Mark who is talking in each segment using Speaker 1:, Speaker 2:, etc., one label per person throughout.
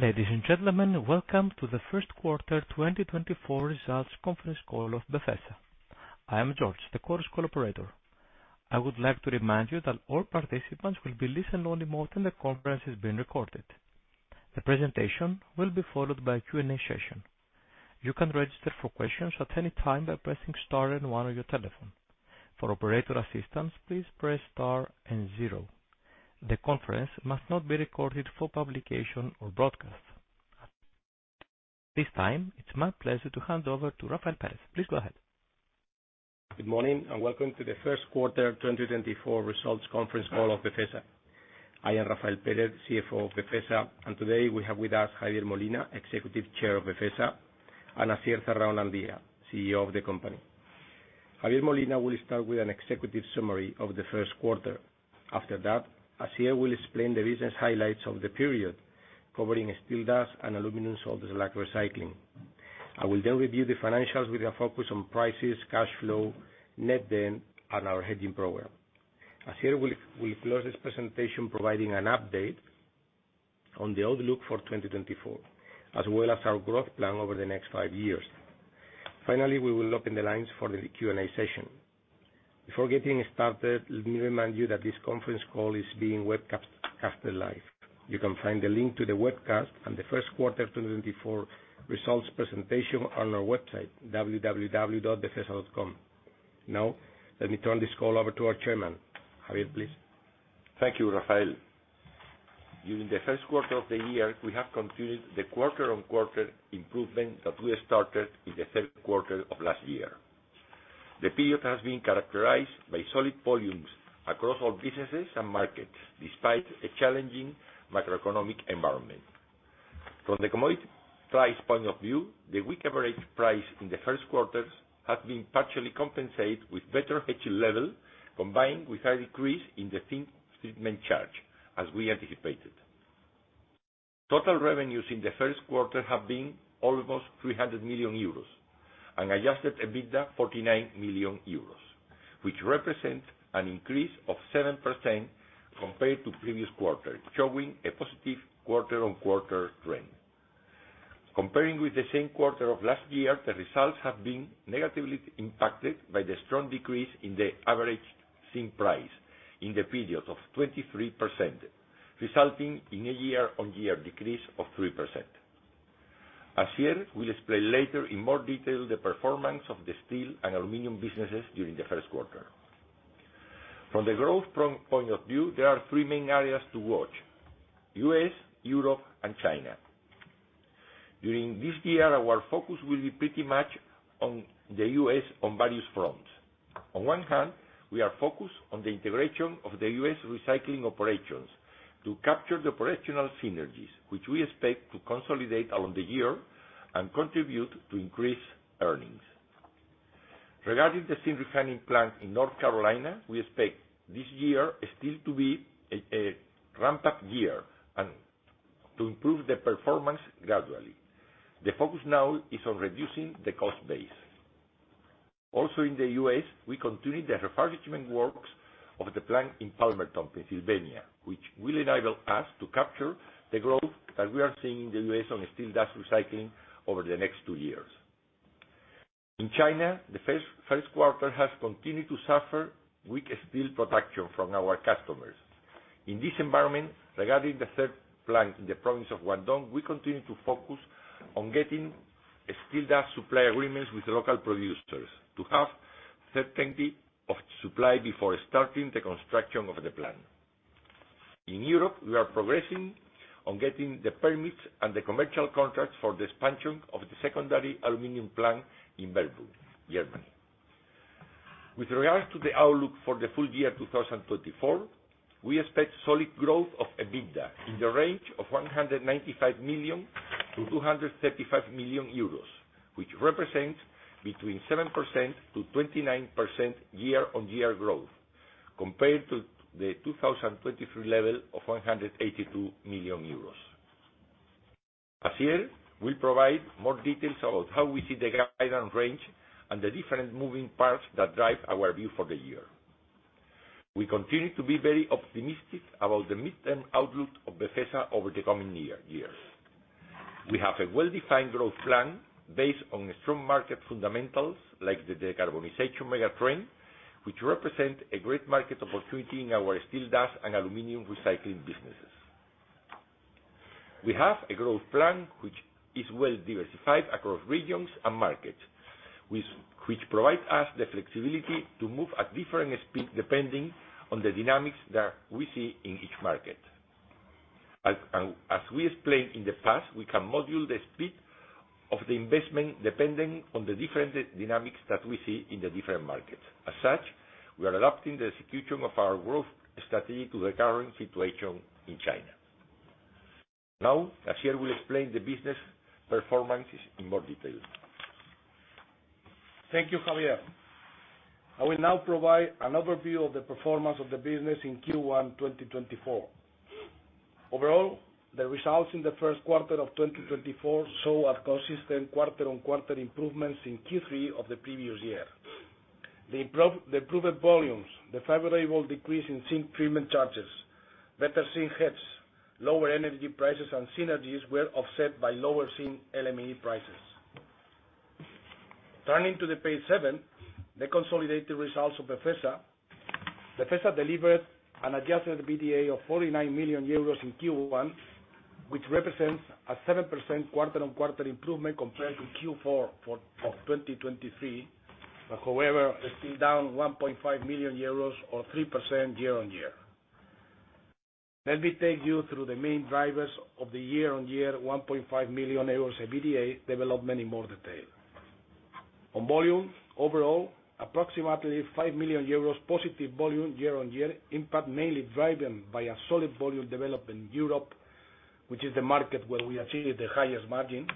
Speaker 1: Ladies and gentlemen, welcome to the first quarter 2024 results conference call of Befesa. I am the conference operator. I would like to remind you that all participants will be in listen-only mode and the conference is being recorded. The presentation will be followed by a Q&A session. You can register for questions at any time by pressing star one on your telephone. For operator assistance, please press star zero. The conference must not be recorded for publication or broadcast. This time, it's my pleasure to hand over to Rafael Pérez. Please go ahead.
Speaker 2: Good morning and welcome to the first quarter 2024 results conference call of Befesa. I am Rafael Pérez, CFO of Befesa, and today we have with us Javier Molina, Executive Chair of Befesa, and Asier Zarraonandia, CEO of the company. Javier Molina will start with an executive summary of the first quarter. After that, Asier will explain the business highlights of the period, covering steel dust and aluminum salt slag recycling. I will then review the financials with a focus on prices, cash flow, net debt, and our hedging program. Asier will close this presentation providing an update on the outlook for 2024, as well as our growth plan over the next five years. Finally, we will open the lines for the Q&A session. Before getting started, let me remind you that this conference call is being webcasted live. You can find the link to the webcast and the first quarter 2024 results presentation on our website, www.befesa.com. Now, let me turn this call over to our chairman. Javier, please.
Speaker 3: Thank you, Rafael. During the first quarter of the year, we have continued the quarter-on-quarter improvement that we started in the third quarter of last year. The period has been characterized by solid volumes across all businesses and markets, despite a challenging macroeconomic environment. From the commodity price point of view, the weak average price in the first quarter has been partially compensated with better hedging level, combined with a decrease in the zinc treatment charge, as we anticipated. Total revenues in the first quarter have been almost 300 million euros and Adjusted EBITDA 49 million euros, which represents an increase of 7% compared to previous quarter, showing a positive quarter-on-quarter trend. Comparing with the same quarter of last year, the results have been negatively impacted by the strong decrease in the average zinc price in the period of 23%, resulting in a year-on-year decrease of 3%. Asier will explain later in more detail the performance of the steel and aluminum businesses during the first quarter. From the growth point of view, there are three main areas to watch: U.S., Europe, and China. During this year, our focus will be pretty much on the U.S. on various fronts. On one hand, we are focused on the integration of the U.S. recycling operations to capture the operational synergies, which we expect to consolidate along the year and contribute to increased earnings. Regarding the zinc refining plant in North Carolina, we expect this year still to be a ramp-up year and to improve the performance gradually. The focus now is on reducing the cost base. Also, in the U.S., we continue the refurbishment works of the plant in Palmerton, Pennsylvania, which will enable us to capture the growth that we are seeing in the U.S. on steel dust recycling over the next two years. In China, the first quarter has continued to suffer weak steel production from our customers. In this environment, regarding the third plant in the province of Guangdong, we continue to focus on getting steel dust supply agreements with local producers to have 30% of supply before starting the construction of the plant. In Europe, we are progressing on getting the permits and the commercial contracts for the expansion of the secondary aluminum plant in Bernburg, Germany. With regards to the outlook for the full year 2024, we expect solid growth of EBITDA in the range of 195 million-235 million euros, which represents between 7%-29% year-on-year growth compared to the 2023 level of 182 million euros. Asier will provide more details about how we see the guideline range and the different moving parts that drive our view for the year. We continue to be very optimistic about the midterm outlook of Befesa over the coming years. We have a well-defined growth plan based on strong market fundamentals like the decarbonization megatrend, which represents a great market opportunity in our steel dust and aluminum recycling businesses. We have a growth plan which is well diversified across regions and markets, which provides us the flexibility to move at different speeds depending on the dynamics that we see in each market. As we explained in the past, we can modulate the speed of the investment depending on the different dynamics that we see in the different markets. As such, we are adapting the execution of our growth strategy to the current situation in China. Now, Asier will explain the business performance in more detail.
Speaker 4: Thank you, Javier. I will now provide an overview of the performance of the business in Q1 2024. Overall, the results in the first quarter of 2024 showed consistent quarter-on-quarter improvements in Q3 of the previous year. The improved volumes, the favorable decrease in zinc treatment charges, better zinc hedges, lower energy prices, and synergies were offset by lower zinc LME prices. Turning to page 7, the consolidated results of Befesa. Befesa delivered an Adjusted EBITDA of 49 million euros in Q1, which represents a 7% quarter-on-quarter improvement compared to Q4 of 2023, but however, still down 1.5 million euros or 3% year-on-year. Let me take you through the main drivers of the year-on-year 1.5 million euros EBITDA development in more detail. On volume, overall, approximately 5 million euros positive volume year-on-year impact, mainly driven by a solid volume development in Europe, which is the market where we achieved the highest margin,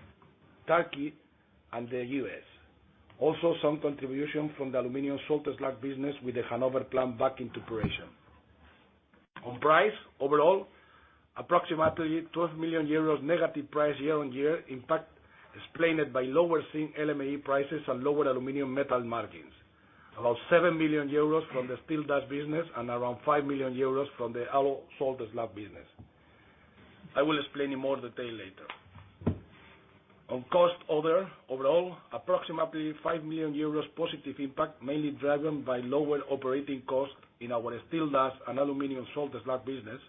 Speaker 4: Turkey and the U.S. Also, some contribution from the aluminum salt slag business with the Hanover plant back into operation. On price, overall, approximately 12 million euros negative price year-on-year impact explained by lower zinc LME prices and lower aluminum metal margins, about 7 million euros from the steel dust business and around 5 million euros from the alloy salt slag business. I will explain in more detail later. On cost, overall, approximately 5 million euros positive impact, mainly driven by lower operating cost in our steel dust and aluminum salt slag business,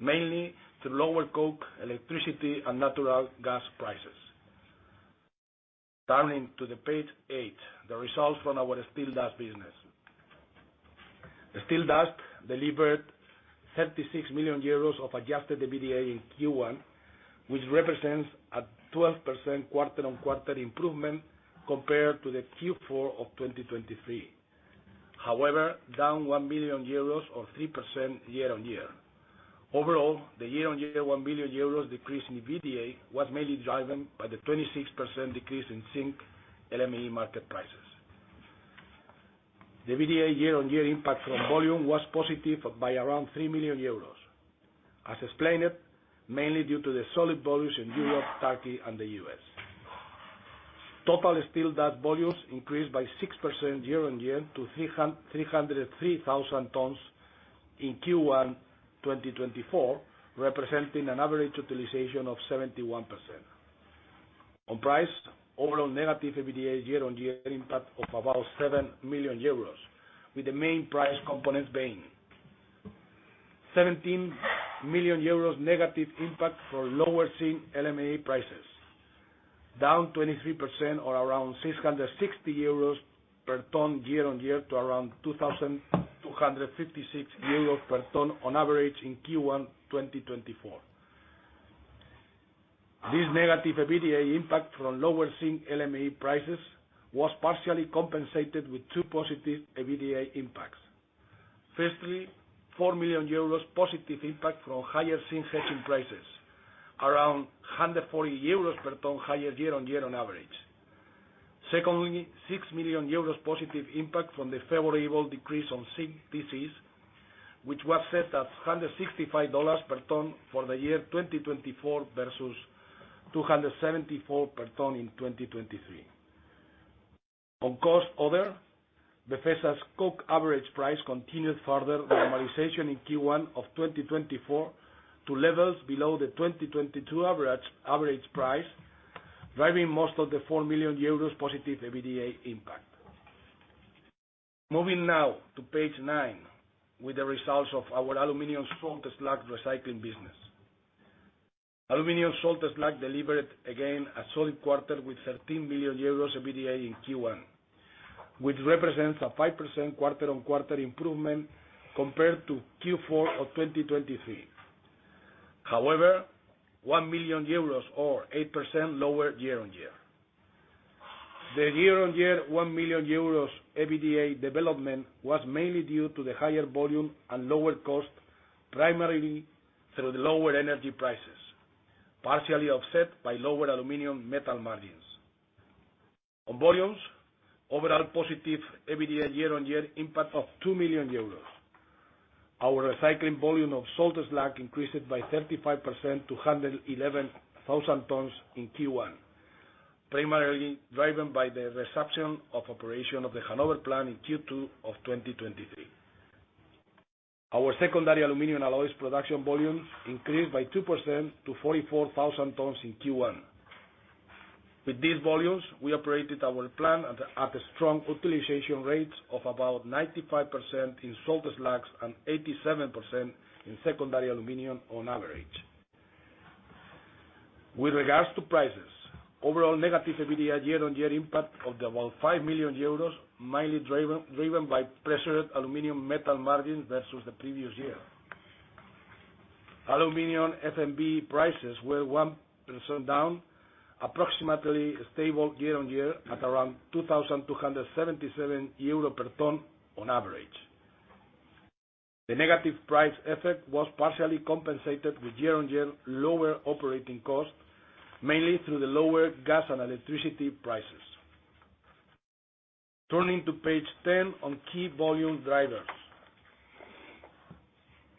Speaker 4: mainly through lower coke, electricity, and natural gas prices. Turning to page eight, the results from our steel dust business. Steel dust delivered 36 million euros of Adjusted EBITDA in Q1, which represents a 12% quarter-on-quarter improvement compared to Q4 of 2023, however, down 1 million euros or 3% year-on-year. Overall, the year-on-year 1 million euros decrease in EBITDA was mainly driven by the 26% decrease in zinc LME market prices. The EBITDA year-on-year impact from volume was positive by around 3 million euros, as explained, mainly due to the solid volumes in Europe, Turkey, and the U.S. Total steel dust volumes increased by 6% year-on-year to 303,000 tons in Q1 2024, representing an average utilization of 71%. On price, overall negative EBITDA year-on-year impact of about 7 million euros, with the main price components being 17 million euros negative impact for lower zinc LME prices, down 23% or around 660 euros per ton year-on-year to around 2,256 euros per ton on average in Q1 2024. This negative EBITDA impact from lower zinc LME prices was partially compensated with two positive EBITDA impacts. Firstly, 4 million euros positive impact from higher zinc hedging prices, around 140 euros per ton higher year-on-year on average. Secondly, 6 million euros positive impact from the favorable decrease on zinc TCs, which was set at $165 per ton for the year 2024 versus $274 per ton in 2023. On cost, Befesa's coke average price continued further normalization in Q1 of 2024 to levels below the 2022 average price, driving most of the 4 million euros positive EBITDA impact. Moving now to page nine with the results of our aluminum salt slag recycling business. Aluminum salt slag delivered again a solid quarter with 13 million euros EBITDA in Q1, which represents a 5% quarter-on-quarter improvement compared to Q4 of 2023, however, 1 million euros or 8% lower year-on-year. The year-on-year 1 million euros EBITDA development was mainly due to the higher volume and lower cost, primarily through the lower energy prices, partially offset by lower aluminum metal margins. On volumes, overall positive EBITDA year-on-year impact of 2 million euros. Our recycling volume of salt slag increased by 35% to 111,000 tons in Q1, primarily driven by the resumption of operation of the Hanover plant in Q2 of 2023. Our secondary aluminum alloys production volumes increased by 2% to 44,000 tons in Q1. With these volumes, we operated our plant at a strong utilization rate of about 95% in salt slags and 87% in secondary aluminum on average. With regards to prices, overall negative EBITDA year-on-year impact of about 5 million euros, mainly driven by pressured aluminum metal margins versus the previous year. Aluminum LME prices were 1% down, approximately stable year-on-year at around 2,277 euro per ton on average. The negative price effect was partially compensated with year-on-year lower operating costs, mainly through the lower gas and electricity prices. Turning to page 10 on key volume drivers.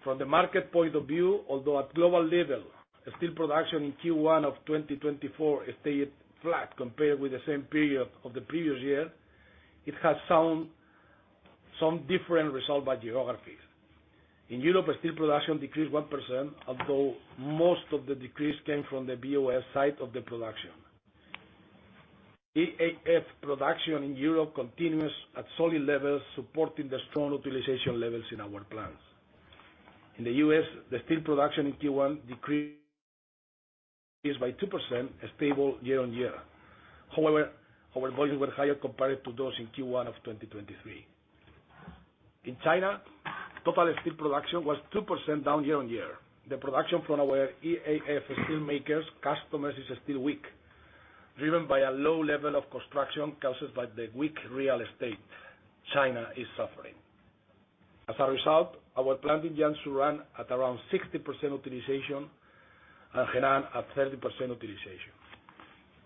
Speaker 4: From the market point of view, although at global level, steel production in Q1 of 2024 stayed flat compared with the same period of the previous year, it has shown some different results by geography. In Europe, steel production decreased 1%, although most of the decrease came from the BOS side of the production. EAF production in Europe continues at solid levels, supporting the strong utilization levels in our plants. In the U.S., the steel production in Q1 decreased by 2%, stable year-on-year. However, our volumes were higher compared to those in Q1 of 2023. In China, total steel production was 2% down year-on-year. The production from our EAF steelmakers' customers is still weak, driven by a low level of construction caused by the weak real estate China is suffering. As a result, our plant in Jiangsu ran at around 60% utilization and Henan at 30% utilization.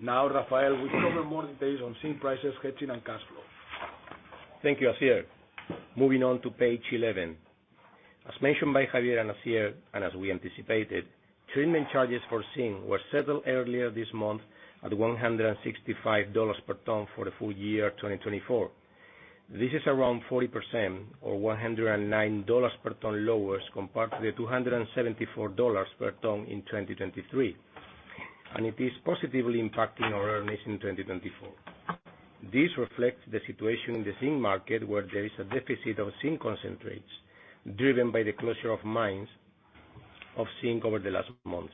Speaker 4: Now, Rafael, we cover more details on zinc prices, hedging, and cash flow.
Speaker 2: Thank you, Asier. Moving on to page 11. As mentioned by Javier and Asier, and as we anticipated, treatment charges for zinc were settled earlier this month at $165 per ton for the full year 2024. This is around 40% or $109 per ton lower compared to the $274 per ton in 2023, and it is positively impacting our earnings in 2024. This reflects the situation in the zinc market where there is a deficit of zinc concentrates, driven by the closure of mines of zinc over the last months.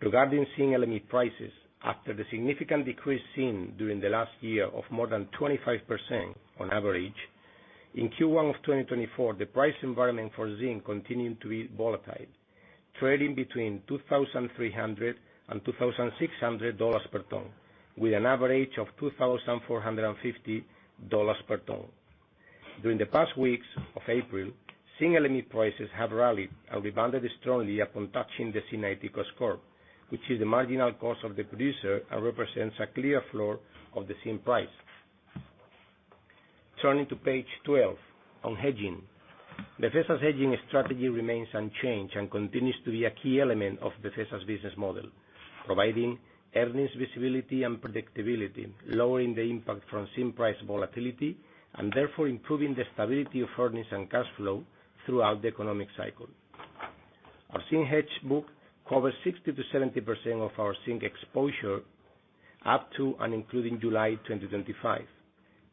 Speaker 2: Regarding zinc LME prices, after the significant decrease in zinc during the last year of more than 25% on average, in Q1 of 2024, the price environment for zinc continued to be volatile, trading between $2,300-$2,600 per ton, with an average of $2,450 per ton. During the past weeks of April, zinc LME prices have rallied and rebounded strongly upon touching the C90 cost curve, which is the marginal cost of the producer and represents a clear floor of the zinc price. Turning to page 12 on hedging. Befesa's hedging strategy remains unchanged and continues to be a key element of Befesa's business model, providing earnings visibility and predictability, lowering the impact from zinc price volatility and therefore improving the stability of earnings and cash flow throughout the economic cycle. Our zinc hedge book covers 60%-70% of our zinc exposure up to and including July 2025.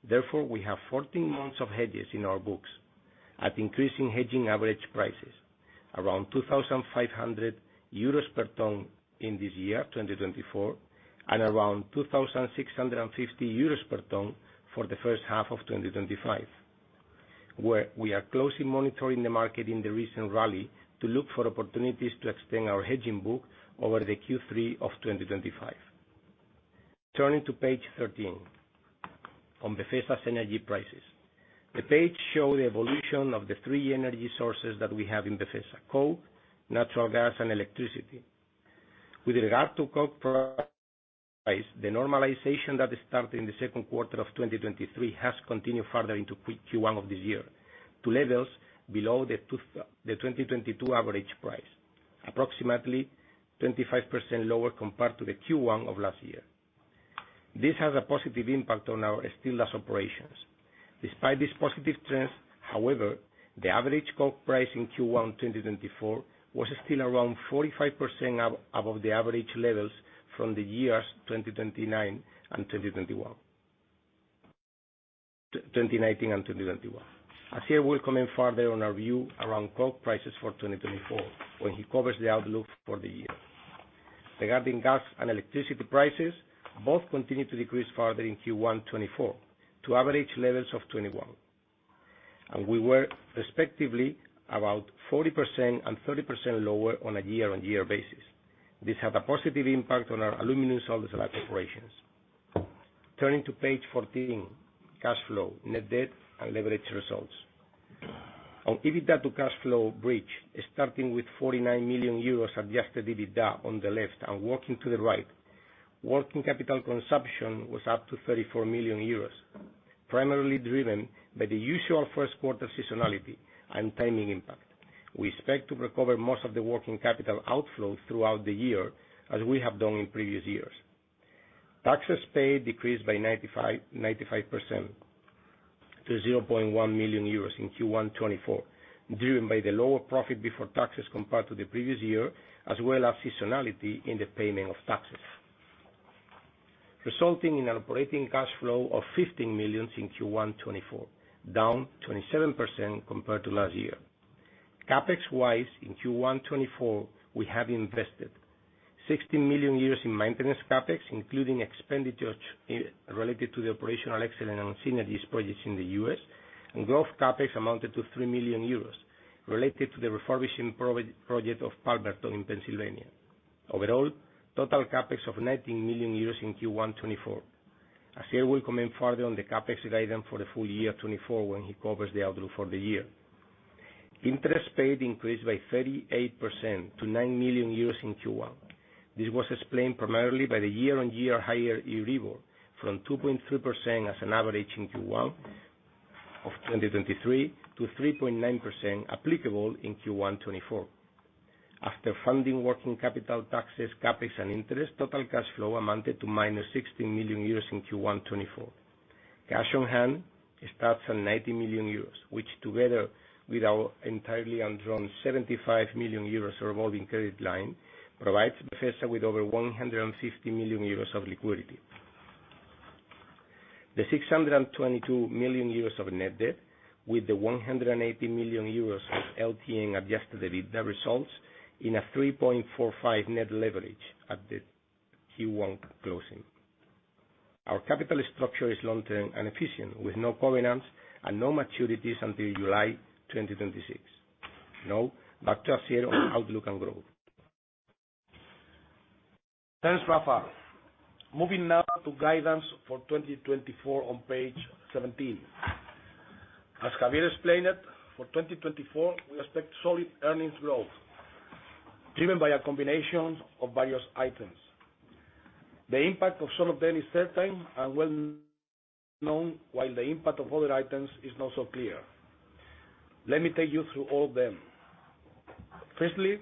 Speaker 2: Therefore, we have 14 months of hedges in our books at increasing hedging average prices, around 2,500 euros per ton in this year, 2024, and around 2,650 euros per ton for the first half of 2025, where we are closely monitoring the market in the recent rally to look for opportunities to extend our hedging book over the Q3 of 2025. Turning to page 13 on Befesa's energy prices. The page shows the evolution of the three energy sources that we have in Befesa: coke, natural gas, and electricity. With regard to coke price, the normalization that started in the second quarter of 2023 has continued further into Q1 of this year to levels below the 2022 average price, approximately 25% lower compared to Q1 of last year. This has a positive impact on our steel dust operations. Despite these positive trends, however, the average coke price in Q1 2024 was still around 45% above the average levels from the years 2029 and 2019 and 2021. Asier will comment further on our view around coke prices for 2024 when he covers the outlook for the year. Regarding gas and electricity prices, both continued to decrease further in Q1 2024 to average levels of 2021, and we were respectively about 40% and 30% lower on a year-on-year basis. This had a positive impact on our aluminum salt slag operations. Turning to page 14, cash flow, net debt, and leverage results. On EBITDA to cash flow bridge, starting with 49 million euros Adjusted EBITDA on the left and working to the right, working capital consumption was up to 34 million euros, primarily driven by the usual first quarter seasonality and timing impact. We expect to recover most of the working capital outflow throughout the year as we have done in previous years. Taxes paid decreased by 95% to 0.1 million euros in Q1 2024, driven by the lower profit before taxes compared to the previous year as well as seasonality in the payment of taxes, resulting in an operating cash flow of 15 million in Q1 2024, down 27% compared to last year. CapEx-wise, in Q1 2024, we have invested 16 million euros in maintenance CapEx, including expenditures related to the operational excellence and synergies projects in the U.S., and growth CapEx amounted to 3 million euros related to the refurbishing project of Palmerton in Pennsylvania. Overall, total CapEx of 19 million euros in Q1 2024. Asier will comment further on the CapEx guidance for the full year 2024 when he covers the outlook for the year. Interest paid increased by 38% to 9 million euros in Q1. This was explained primarily by the year-on-year higher EURIBOR from 2.3% as an average in Q1 of 2023 to 3.9% applicable in Q1 2024. After funding working capital taxes, CapEx, and interest, total cash flow amounted to -16 million euros in Q1 2024. Cash on hand starts at 90 million euros, which together with our entirely undrawn 75 million euros revolving credit line provides Befesa with over 150 million euros of liquidity. The 622 million euros of net debt with the 180 million euros of LTM Adjusted EBITDA results in a 3.45 net leverage at the Q1 closing. Our capital structure is long-term and efficient, with no covenants and no maturities until July 2026. Now, back to Asier on outlook and growth.
Speaker 4: Thanks, Rafael. Moving now to guidance for 2024 on page 17. As Javier explained it, for 2024, we expect solid earnings growth, driven by a combination of various items. The impact of some of them is certain and well known, while the impact of other items is not so clear. Let me take you through all of them. Firstly,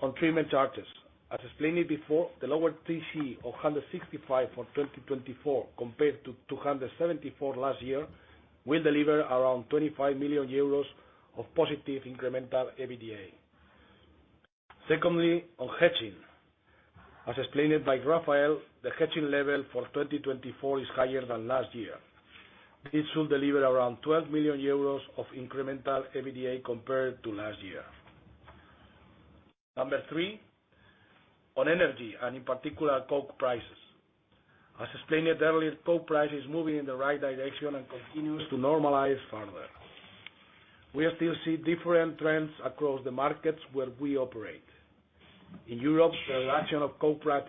Speaker 4: on treatment charges. As explained before, the lower TC of $165 for 2024 compared to $274 last year will deliver around 25 million euros of positive incremental EBITDA. Secondly, on hedging. As explained by Rafael, the hedging level for 2024 is higher than last year. This will deliver around 12 million euros of incremental EBITDA compared to last year. Number 3, on energy and in particular coke prices. As explained earlier, coke price is moving in the right direction and continues to normalize further. We still see different trends across the markets where we operate. In Europe, the reduction of coke price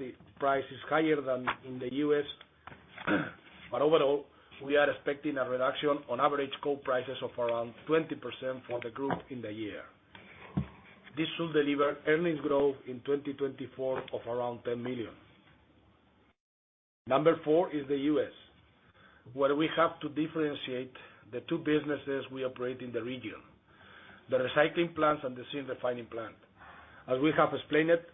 Speaker 4: is higher than in the U.S., but overall, we are expecting a reduction on average coke prices of around 20% for the group in the year. This will deliver earnings growth in 2024 of around 10 million. Number four is the U.S., where we have to differentiate the two businesses we operate in the region: the recycling plants and the zinc refining plant. As we have explained it,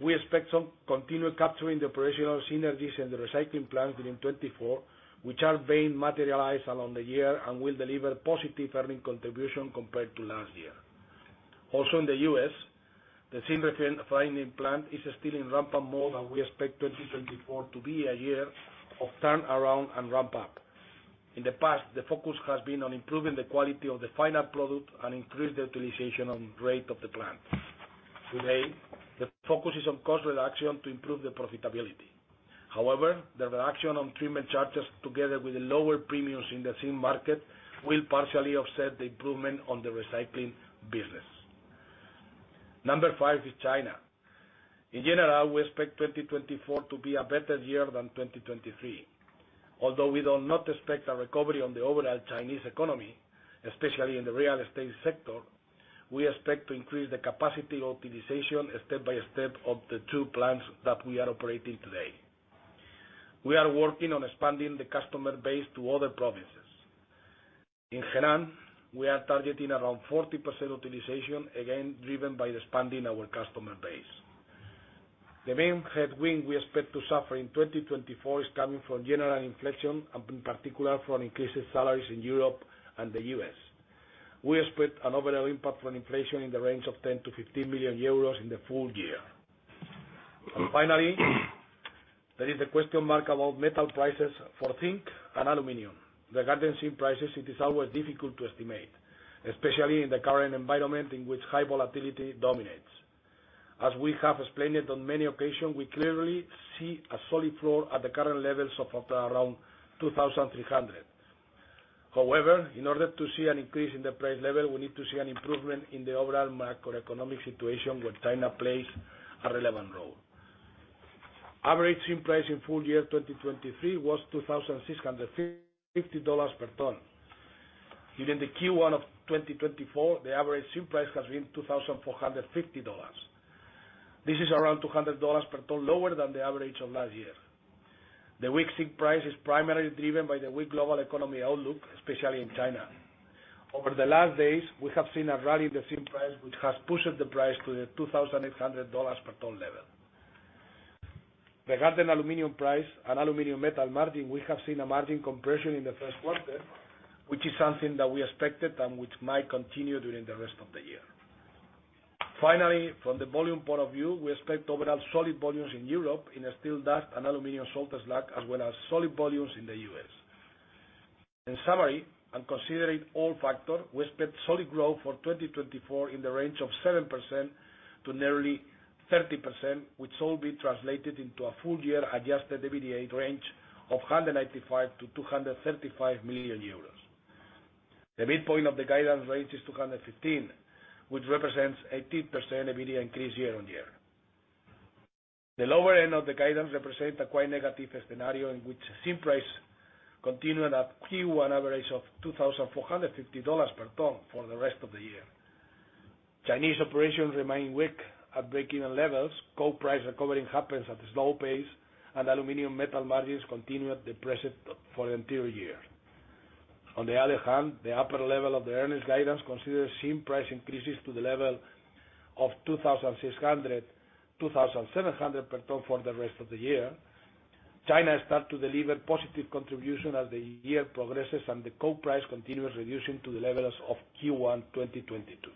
Speaker 4: we expect some continued capturing the operational synergies in the recycling plants during 2024, which are being materialized along the year and will deliver positive earnings contribution compared to last year. Also, in the U.S., the zinc refining plant is still in ramp-up mode, and we expect 2024 to be a year of turnaround and ramp-up. In the past, the focus has been on improving the quality of the final product and increasing the utilization rate of the plant. Today, the focus is on cost reduction to improve the profitability. However, the reduction on treatment charges together with the lower premiums in the thin market will partially offset the improvement on the recycling business. Number five is China. In general, we expect 2024 to be a better year than 2023. Although we do not expect a recovery on the overall Chinese economy, especially in the real estate sector, we expect to increase the capacity utilization step by step of the two plants that we are operating today. We are working on expanding the customer base to other provinces. In Henan, we are targeting around 40% utilization, again driven by expanding our customer base. The main headwind we expect to suffer in 2024 is coming from general inflation and in particular from increased salaries in Europe and the U.S. We expect an overall impact from inflation in the range of 10-15 million euros in the full year. And finally, there is the question mark about metal prices for zinc and aluminum. Regarding zinc prices, it is always difficult to estimate, especially in the current environment in which high volatility dominates. As we have explained it on many occasions, we clearly see a solid floor at the current levels of around $2,300. However, in order to see an increase in the price level, we need to see an improvement in the overall macroeconomic situation where China plays a relevant role. Average zinc price in full year 2023 was $2,650 per ton. During the Q1 of 2024, the average zinc price has been $2,450. This is around $200 per ton lower than the average of last year. The weak zinc price is primarily driven by the weak global economy outlook, especially in China. Over the last days, we have seen a rally in the zinc price, which has pushed the price to the $2,800 per ton level. Regarding aluminum price and aluminum metal margin, we have seen a margin compression in the first quarter, which is something that we expected and which might continue during the rest of the year. Finally, from the volume point of view, we expect overall solid volumes in Europe in steel dust and aluminum salt slag as well as solid volumes in the U.S. In summary, and considering all factors, we expect solid growth for 2024 in the range of 7%-nearly 30%, which will be translated into a full-year Adjusted EBITDA range of 195 million-235 million euros. The midpoint of the guidance range is 215 million, which represents a 10% EBITDA increase year-on-year. The lower end of the guidance represents a quite negative scenario in which zinc price continues at a Q1 average of $2,450 per ton for the rest of the year. Chinese operations remain weak at break-even levels, coke price recovering happens at a slow pace, and aluminum metal margins continue at the present for the entire year. On the other hand, the upper level of the earnings guidance considers zinc price increases to the level of $2,600-$2,700 per ton for the rest of the year. China starts to deliver positive contribution as the year progresses and the coke price continues reducing to the levels of Q1 2022.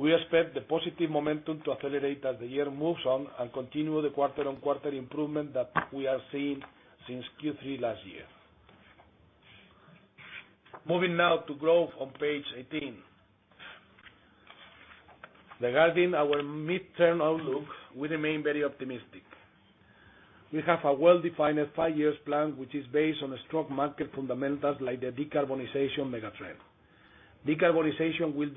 Speaker 4: We expect the positive momentum to accelerate as the year moves on and continue the quarter-on-quarter improvement that we are seeing since Q3 last year. Moving now to growth on page 18. Regarding our mid-term outlook, we remain very optimistic. We have a well-defined five-year plan, which is based on strong market fundamentals like the decarbonization megatrend. Decarbonization will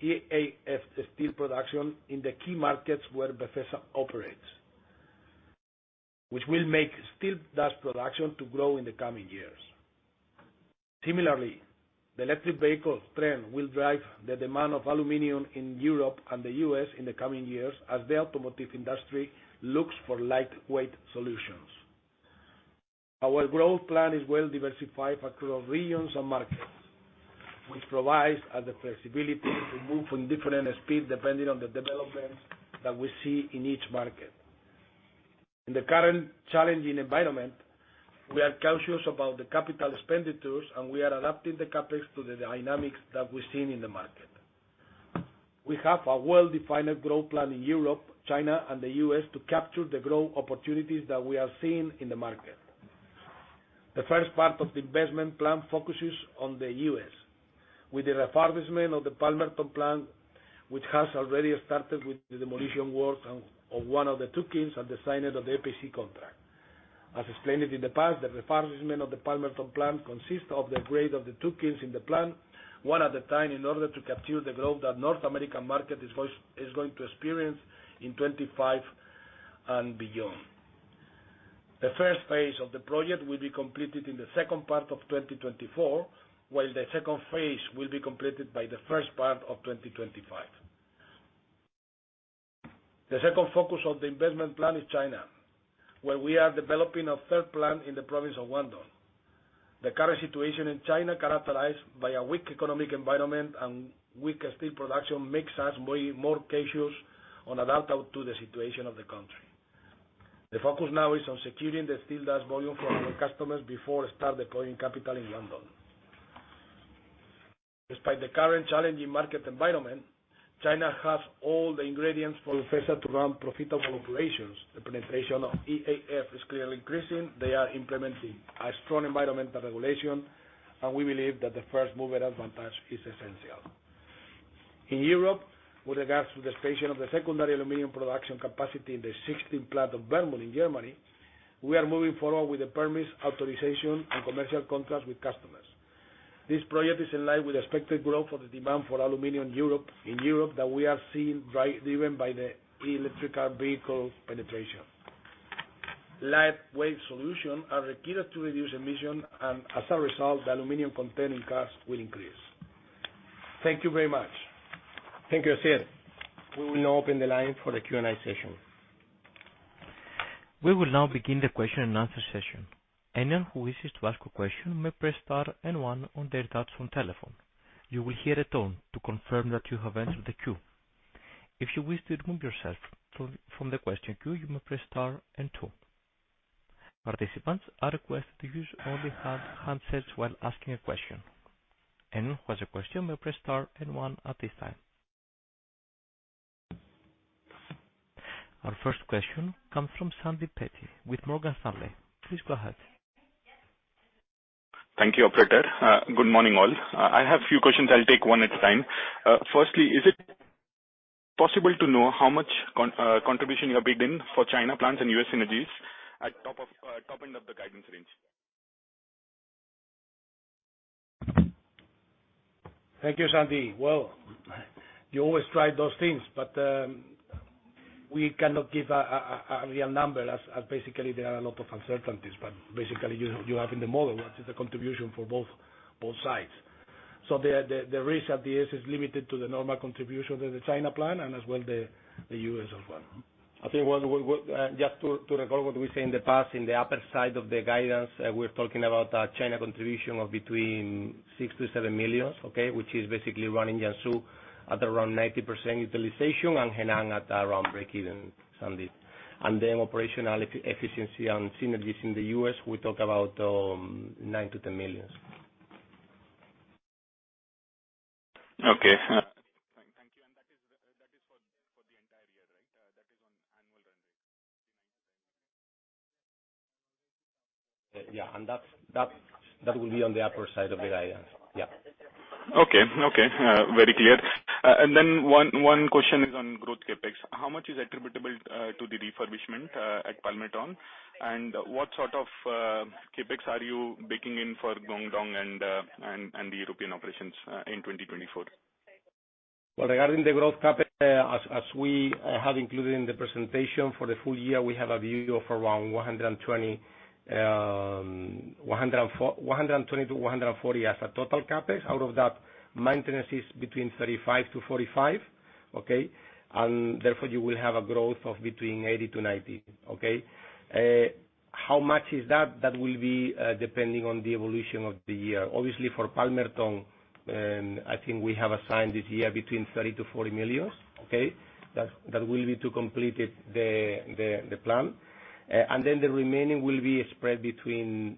Speaker 4: drive EAF steel production in the key markets where Befesa operates, which will make steel dust production grow in the coming years. Similarly, the electric vehicle trend will drive the demand of aluminum in Europe and the U.S. in the coming years as the automotive industry looks for lightweight solutions. Our growth plan is well-diversified across regions and markets, which provides us the flexibility to move in different speeds depending on the developments that we see in each market. In the current challenging environment, we are cautious about the capital expenditures, and we are adapting the CapEx to the dynamics that we're seeing in the market. We have a well-defined growth plan in Europe, China, and the U.S. to capture the growth opportunities that we are seeing in the market. The first part of the investment plan focuses on the U.S. With the refurbishment of the Palmerton plant, which has already started with the demolition work of one of the two kilns and the signing of the APC contract. As explained in the past, the refurbishment of the Palmerton plant consists of the upgrade of the two kilns in the plant one at a time in order to capture the growth that the North American market is going to experience in 2025 and beyond. The first phase of the project will be completed in the second part of 2024, while the second phase will be completed by the first part of 2025. The second focus of the investment plan is China, where we are developing a third plant in the province of Guangdong. The current situation in China, characterized by a weak economic environment and weak steel production, makes us more cautious on adapting to the situation of the country. The focus now is on securing the steel dust volume for our customers before starting deploying capital in Guangdong. Despite the current challenging market environment, China has all the ingredients for Befesa to run profitable operations. The penetration of EAF is clearly increasing. They are implementing a strong environmental regulation, and we believe that the first move at advantage is essential. In Europe, with regards to the expansion of the secondary aluminum production capacity in the 16th plant of Bernburg in Germany, we are moving forward with the permits, authorizations, and commercial contracts with customers. This project is in line with the expected growth of the demand for aluminum in Europe that we are seeing driven by the electric car vehicle penetration. Lightweight solutions are required to reduce emissions, and as a result, the aluminum-containing cars will increase. Thank you very much.
Speaker 1: Thank you, Asier. We will now open the line for the Q&A session. We will now begin the question-and-answer session. Anyone who wishes to ask a question may press star and one on their touchscreen on their phone. You will hear a tone to confirm that you have entered the queue. If you wish to remove yourself from the question queue, you may press star and two. Participants are requested to use only handsets while asking a question. Anyone who has a question may press star and one at this time. Our first question comes from Sandeep Peety with Morgan Stanley. Please go ahead.
Speaker 5: Thank you, Operator. Good morning, all. I have a few questions. I'll take one at a time. Firstly, is it possible to know how much contribution you have baked in for China plants and US entities at the top end of the guidance range?
Speaker 4: Thank you, Sandeep. Well, you always try those things, but we cannot give a real number as basically there are a lot of uncertainties. But basically, you have in the model what is the contribution for both sides. So the risk at the end is limited to the normal contribution of the China plant and as well the U.S. as well.
Speaker 2: I think just to recall what we said in the past, in the upper side of the guidance, we were talking about a China contribution of between 6 million-7 million, okay, which is basically running Jiangsu at around 90% utilization and Henan at around break-even, Sandeep. Then operational efficiency and synergies in the U.S., we talk about 9 million-10 million.
Speaker 5: Okay. Thank you. And that is for the entire year, right? That is on annual run rate, EUR 9-10 million?
Speaker 2: Yeah. And that will be on the upper side of the guidance. Yeah.
Speaker 5: Okay. Okay. Very clear. One question is on growth CapEx. How much is attributable to the refurbishment at Palmerton, and what sort of CapEx are you baking in for Guangdong and the European operations in 2024?
Speaker 2: Well, regarding the growth CapEx, as we have included in the presentation for the full year, we have a view of around 120-140 million as a total CapEx. Out of that, maintenance is between 35-45 million, okay, and therefore, you will have a growth of between 80-90 million, okay? How much is that? That will be depending on the evolution of the year. Obviously, for Palmerton, I think we have assigned this year between 30-40 million, okay? That will be to complete the plan. And then the remaining will be spread between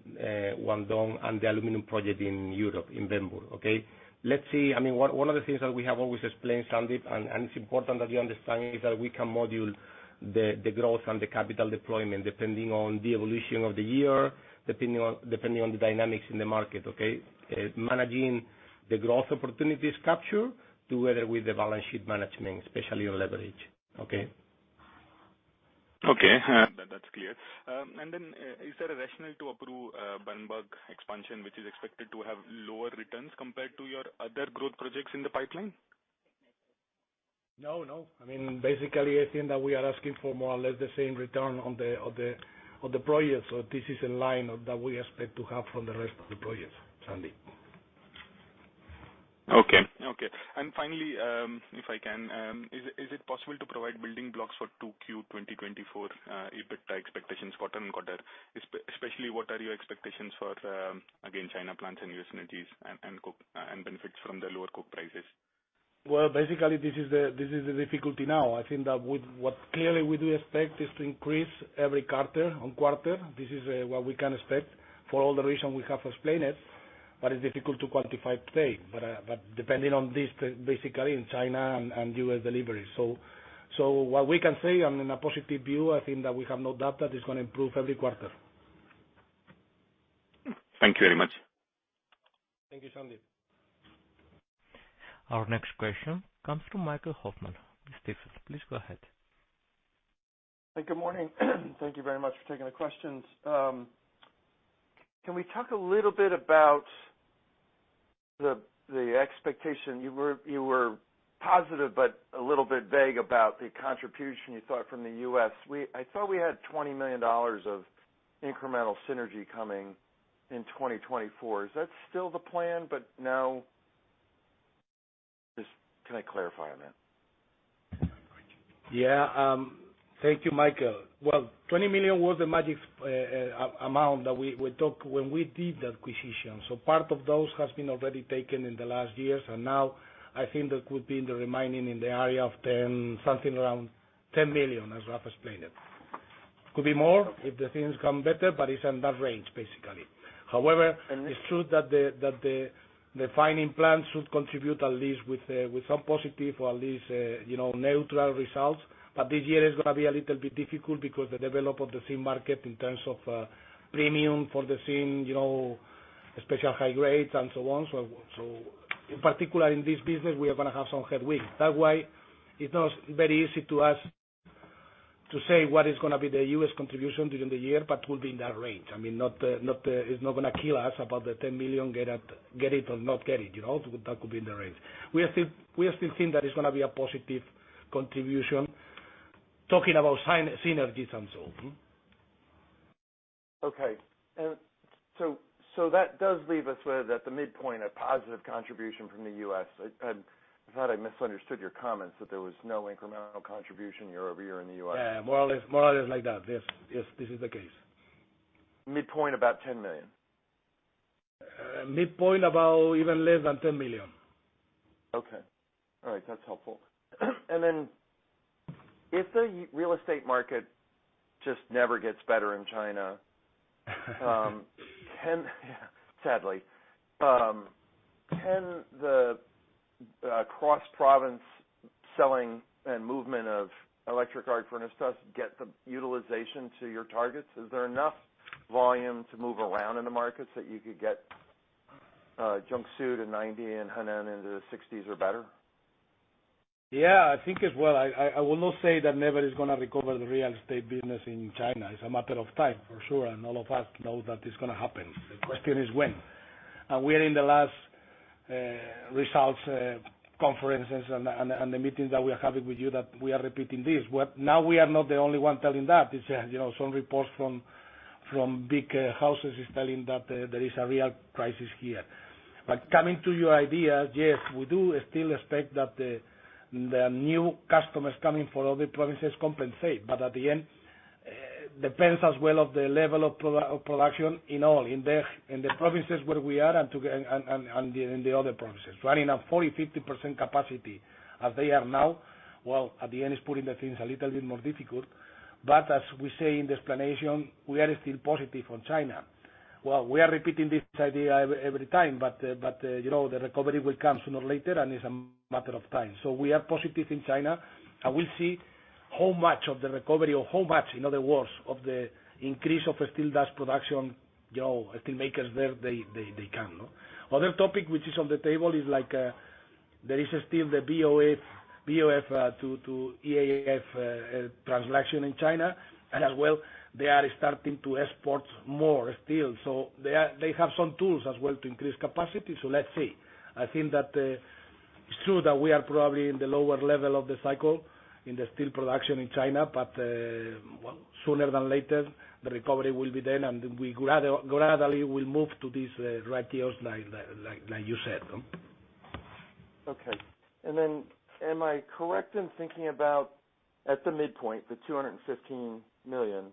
Speaker 2: Guangdong and the aluminum project in Europe, in Bernburg, okay? Let's see. I mean, one of the things that we have always explained, Sandeep, and it's important that you understand, is that we can modulate the growth and the capital deployment depending on the evolution of the year, depending on the dynamics in the market, okay? Managing the growth opportunities captured together with the balance sheet management, especially on leverage, okay?
Speaker 5: Okay. That's clear. And then is there a rationale to approve Bernburg expansion, which is expected to have lower returns compared to your other growth projects in the pipeline?
Speaker 4: No. No. I mean, basically, I think that we are asking for more or less the same return on the project. So this is in line with what we expect to have from the rest of the projects, Sandeep.
Speaker 5: Okay. Okay. Finally, if I can, is it possible to provide building blocks for Q2 2024 EBITDA expectations quarter-over-quarter? Especially, what are your expectations for, again, China plants and U.S. entities and benefits from the lower coke prices?
Speaker 4: Well, basically, this is the difficulty now. I think that what clearly we do expect is to increase every quarter-over-quarter. This is what we can expect for all the reasons we have explained it, but it's difficult to quantify today. But depending on this, basically, in China and U.S. deliveries. So what we can say, I'm in a positive view. I think that we have no doubt that it's going to improve every quarter.
Speaker 5: Thank you very much.
Speaker 4: Thank you, Sandeep.
Speaker 1: Our next question comes from Michael Hoffman. Mr. Hoffman, please go ahead.
Speaker 6: Hey. Good morning. Thank you very much for taking the questions. Can we talk a little bit about the expectation? You were positive but a little bit vague about the contribution you thought from the U.S. I thought we had $20 million of incremental synergy coming in 2024. Is that still the plan, but now? Can I clarify a minute?
Speaker 4: Yeah. Thank you, Michael. Well, 20 million was the magic amount that we talked when we did the acquisition. So part of those has been already taken in the last years, and now I think there could be the remaining in the area of something around 10 million, as Rafael explained it. Could be more if the things come better, but it's in that range, basically. However, it's true that the refining plants should contribute at least with some positive or at least neutral results. But this year is going to be a little bit difficult because the development of the zinc market in terms of premium for the zinc, especially high grades, and so on. So in particular, in this business, we are going to have some headwinds. That's why it's not very easy for us to say what is going to be the U.S. contribution during the year, but it will be in that range. I mean, it's not going to kill us about the 10 million, get it or not get it. That could be in the range. We still think that it's going to be a positive contribution talking about synergies and so.
Speaker 6: Okay. And so that does leave us with at the midpoint a positive contribution from the U.S. I thought I misunderstood your comments, that there was no incremental contribution year- over-year in the U.S.
Speaker 4: Yeah. More or less like that. Yes. This is the case.
Speaker 6: Midpoint about 10 million?
Speaker 4: Midpoint about even less than 10 million.
Speaker 6: Okay. All right. That's helpful. And then if the real estate market just never gets better in China, sadly, can the cross-province selling and movement of electric arc furnace dust get the utilization to your targets? Is there enough volume to move around in the markets that you could get Jiangsu to 90 and Henan into the 60s or better?
Speaker 4: Yeah. I think as well. I will not say that nobody's going to recover the real estate business in China. It's a matter of time, for sure, and all of us know that it's going to happen. The question is when. We are in the last results conferences and the meetings that we are having with you that we are repeating this. Now, we are not the only one telling that. Some reports from big houses are telling that there is a real crisis here. Coming to your ideas, yes, we do still expect that the new customers coming from other provinces compensate. At the end, it depends as well on the level of production in all, in the provinces where we are and in the other provinces. Running at 40%-50% capacity as they are now, well, at the end, it's putting the things a little bit more difficult. But as we say in the explanation, we are still positive on China. Well, we are repeating this idea every time, but the recovery will come sooner or later, and it's a matter of time. So we are positive in China, and we'll see how much of the recovery or how much, in other words, of the increase of steel dust production, steelmakers there, they can. Other topic, which is on the table, is there is still the BOF to EAF transition in China, and as well, they are starting to export more steel. So they have some tools as well to increase capacity. So let's see. I think that it's true that we are probably in the lower level of the cycle in the steel production in China, but sooner than later, the recovery will be there, and we gradually will move to these ratios, like you said.
Speaker 6: Okay. Am I correct in thinking about at the midpoint, the 215 million,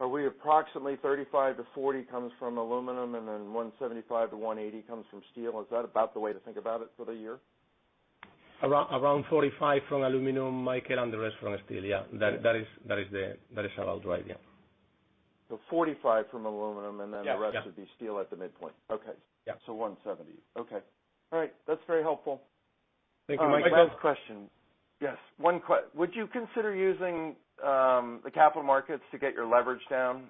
Speaker 6: are we approximately 35 million-40 million comes from aluminum, and then 175 million-180 million comes from steel? Is that about the way to think about it for the year?
Speaker 2: Around 45 from aluminum, Michael, and the rest from steel. Yeah. That is about right. Yeah.
Speaker 6: So 45 from aluminum, and then the rest would be steel at the midpoint.
Speaker 2: Yes.
Speaker 6: Okay. So 170. Okay. All right. That's very helpful.
Speaker 2: Thank you, Michael.
Speaker 6: My last question. Yes. One question. Would you consider using the capital markets to get your leverage down?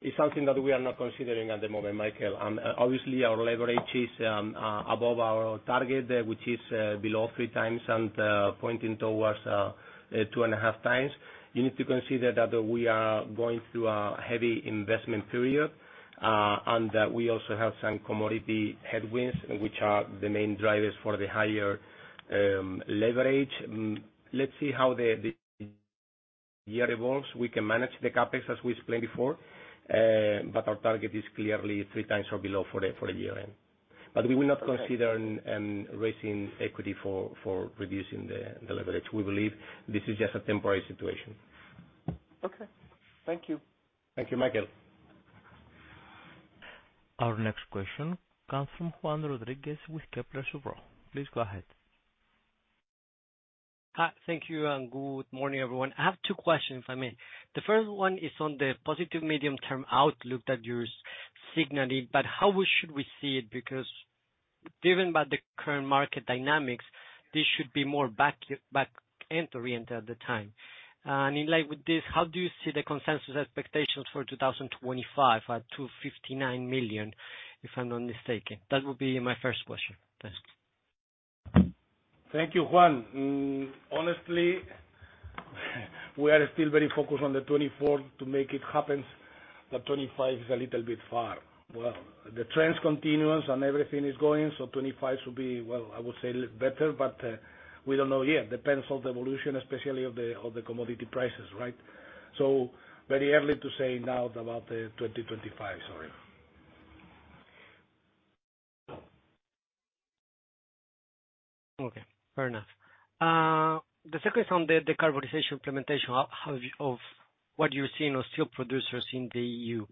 Speaker 2: It's something that we are not considering at the moment, Michael. Obviously, our leverage is above our target, which is below 3x and pointing towards 2.5x. You need to consider that we are going through a heavy investment period, and that we also have some commodity headwinds, which are the main drivers for the higher leverage. Let's see how the year evolves. We can manage the CapEx as we explained before, but our target is clearly 3x or below for the year-end. But we will not consider raising equity for reducing the leverage. We believe this is just a temporary situation.
Speaker 6: Okay. Thank you.
Speaker 2: Thank you, Michael.
Speaker 1: Our next question comes from Juan Rodriguez with Kepler Cheuvreux. Please go ahead.
Speaker 7: Thank you, and good morning, everyone. I have two questions, if I may. The first one is on the positive medium-term outlook that you're signaling, but how should we see it? Because given the current market dynamics, this should be more back-end oriented at the time. And in light of this, how do you see the consensus expectations for 2025 at 259 million, if I'm not mistaken? That would be my first question. Thanks.
Speaker 4: Thank you, Juan. Honestly, we are still very focused on 2024 to make it happen, but 2025 is a little bit far. Well, the trend continues, and everything is going, so 2025 should be, well, I would say better, but we don't know yet. It depends on the evolution, especially of the commodity prices, right? So very early to say now about 2025. Sorry.
Speaker 7: Okay. Fair enough. The second is on the decarbonization implementation of what you're seeing on steel producers in the EU.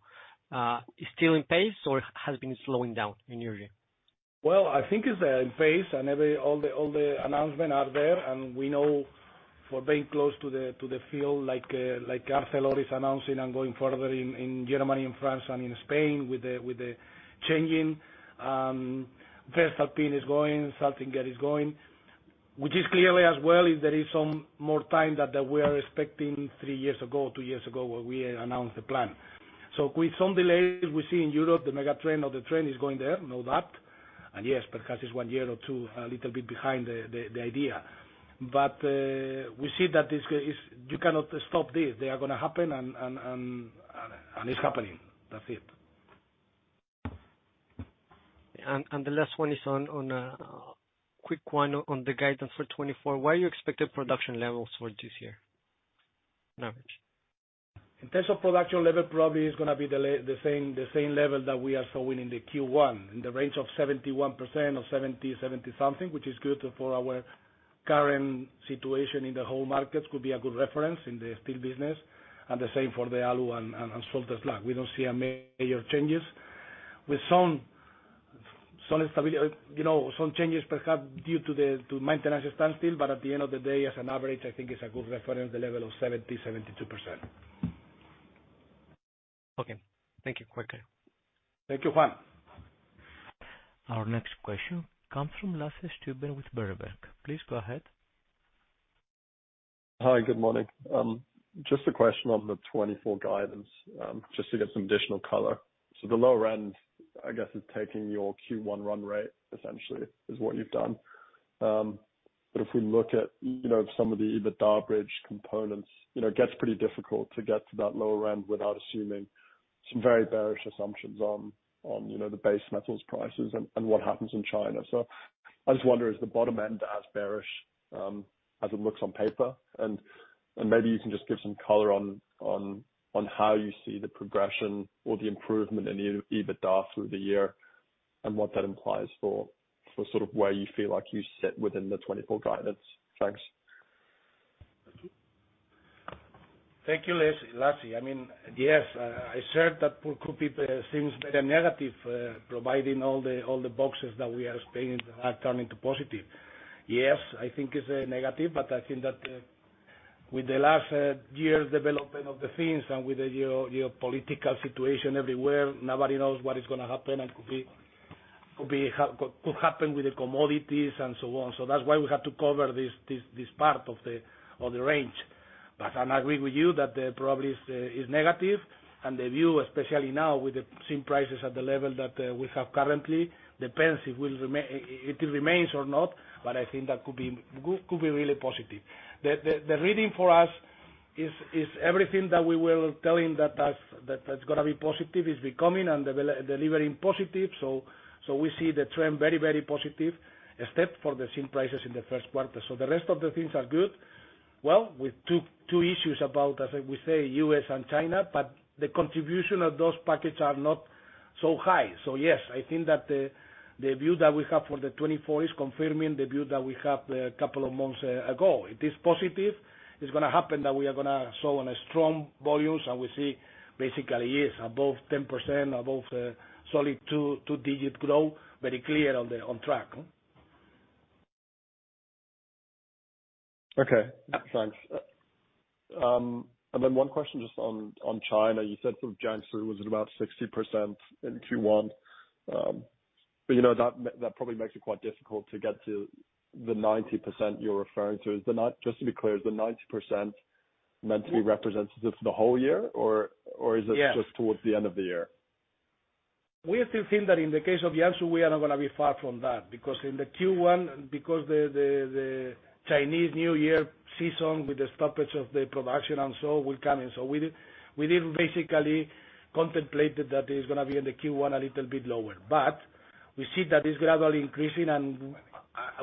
Speaker 7: Is it still on pace, or has been slowing down in your view?
Speaker 4: Well, I think it's on pace, and all the announcements are there, and we know for being close to the field, like ArcelorMittal is announcing and going further in Germany, in France, and in Spain with the changing. Voestalpine is going. Salzgitter is going, which is clear as well if there is some more time that we are expecting three years ago, two years ago when we announced the plan. So with some delays, we see in Europe the megatrend of the trend is going there. No doubt. And yes, perhaps it's one year or two a little bit behind the idea. But we see that you cannot stop this. They are going to happen, and it's happening. That's it.
Speaker 7: The last one is on a quick one on the guidance for 2024. What are your expected production levels for this year, on average?
Speaker 4: In terms of production level, probably it's going to be the same level that we are seeing in the Q1, in the range of 71% or 70, 70-something, which is good for our current situation in the zinc markets. It could be a good reference in the steel business, and the same for the aluminum salt slag. We don't see any major changes with some changes perhaps due to maintenance standstill, but at the end of the day, as an average, I think it's a good reference, the level of 70%-72%.
Speaker 7: Okay. Thank you. Quick.
Speaker 4: Thank you, Juan.
Speaker 1: Our next question comes from Lasse Stüben with Berenberg. Please go ahead.
Speaker 8: Hi. Good morning. Just a question on the 2024 guidance, just to get some additional color. So the lower end, I guess, is taking your Q1 run rate, essentially, is what you've done. But if we look at some of the EBITDA bridge components, it gets pretty difficult to get to that lower end without assuming some very bearish assumptions on the base metals prices and what happens in China. So I just wonder, is the bottom end as bearish as it looks on paper? And maybe you can just give some color on how you see the progression or the improvement in the EBITDA through the year and what that implies for sort of where you feel like you sit within the 2024 guidance. Thanks.
Speaker 4: Thank you, Lasse. I mean, yes, I said that it could be seen as a negative providing all the boxes that we are expecting that are turning to positive. Yes, I think it's a negative, but I think that with the last year's development of the things and with the geopolitical situation everywhere, nobody knows what is going to happen and could happen with the commodities and so on. So that's why we had to cover this part of the range. But I agree with you that probably it's negative, and the view, especially now with the zinc prices at the level that we have currently, depends if it remains or not, but I think that could be really positive. The reading for us is everything that we were telling that it's going to be positive is becoming and delivering positive. So we see the trend very, very positive, except for the zinc prices in the first quarter. So the rest of the things are good. Well, with two issues about, as we say, U.S. and China, but the contribution of those plants are not so high. So yes, I think that the view that we have for the 2024 is confirming the view that we had a couple of months ago. It is positive. It's going to happen that we are going to grow on strong volumes, and we see, basically, yes, above 10%, above solid two-digit growth, very clear on track.
Speaker 8: Okay. Thanks. And then one question just on China. You said sort of Jiangsu was at about 60% in Q1, but that probably makes it quite difficult to get to the 90% you're referring to. Just to be clear, is the 90% meant to be representative for the whole year, or is it just towards the end of the year?
Speaker 4: We still think that in the case of Jiangsu, we are not going to be far from that because in the Q1, because the Chinese New Year season with the stoppage of the production and so will come. So we did basically contemplate that it's going to be in the Q1 a little bit lower, but we see that it's gradually increasing. And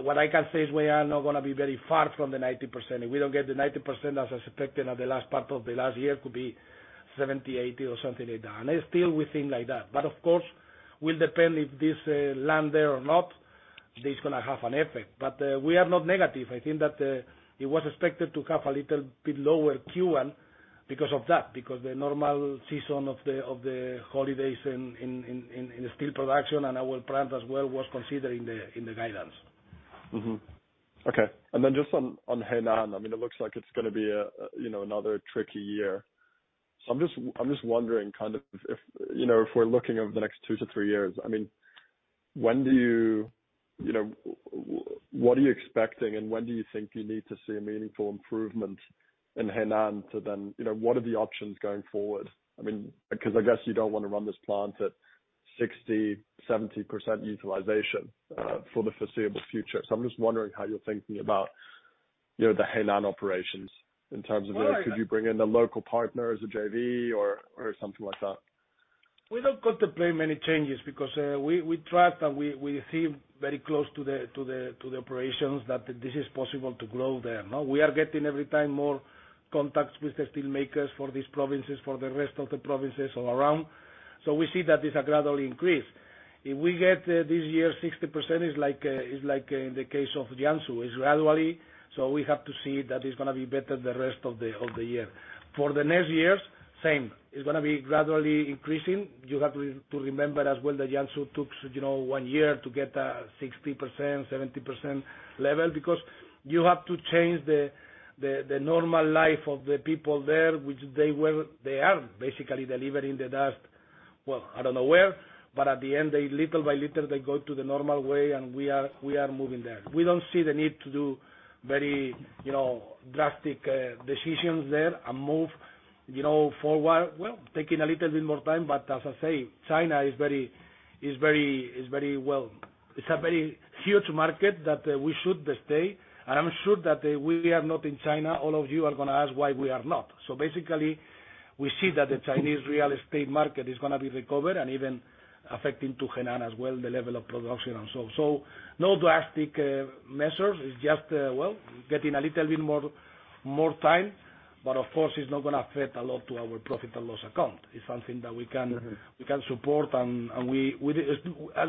Speaker 4: what I can say is we are not going to be very far from the 90%. If we don't get the 90% as expected at the last part of the last year, it could be 70, 80, or something like that. And still, we think like that. But of course, it will depend if this lands there or not. It's going to have an effect. But we are not negative. I think that it was expected to have a little bit lower Q1 because of that, because the normal season of the holidays in steel production and our plant as well was considered in the guidance.
Speaker 8: Okay. Then just on Henan, I mean, it looks like it's going to be another tricky year. So I'm just wondering kind of if we're looking over the next 2 to 3 years, I mean, when do you what are you expecting, and when do you think you need to see a meaningful improvement in Henan to then what are the options going forward? I mean, because I guess you don't want to run this plant at 60%-70% utilization for the foreseeable future. So I'm just wondering how you're thinking about the Henan operations in terms of, could you bring in a local partner as a JV or something like that?
Speaker 4: We don't contemplate many changes because we trust and we see very close to the operations that this is possible to grow there. We are getting every time more contacts with the steelmakers for these provinces, for the rest of the provinces all around. So we see that it's a gradual increase. If we get this year 60%, it's like in the case of Jiangsu. It's gradually. So we have to see that it's going to be better the rest of the year. For the next years, same. It's going to be gradually increasing. You have to remember as well that Jiangsu took one year to get a 60%-70% level because you have to change the normal life of the people there, which they are, basically, delivering the dust, well, I don't know where. But at the end, little by little, they go to the normal way, and we are moving there. We don't see the need to do very drastic decisions there and move forward. Well, taking a little bit more time, but as I say, China is very well. It's a very huge market that we should stay. And I'm sure that we are not in China. All of you are going to ask why we are not. So basically, we see that the Chinese real estate market is going to be recovered and even affecting Henan as well, the level of production and so. So no drastic measures. It's just, well, getting a little bit more time, but of course, it's not going to affect a lot to our profit and loss account. It's something that we can support. As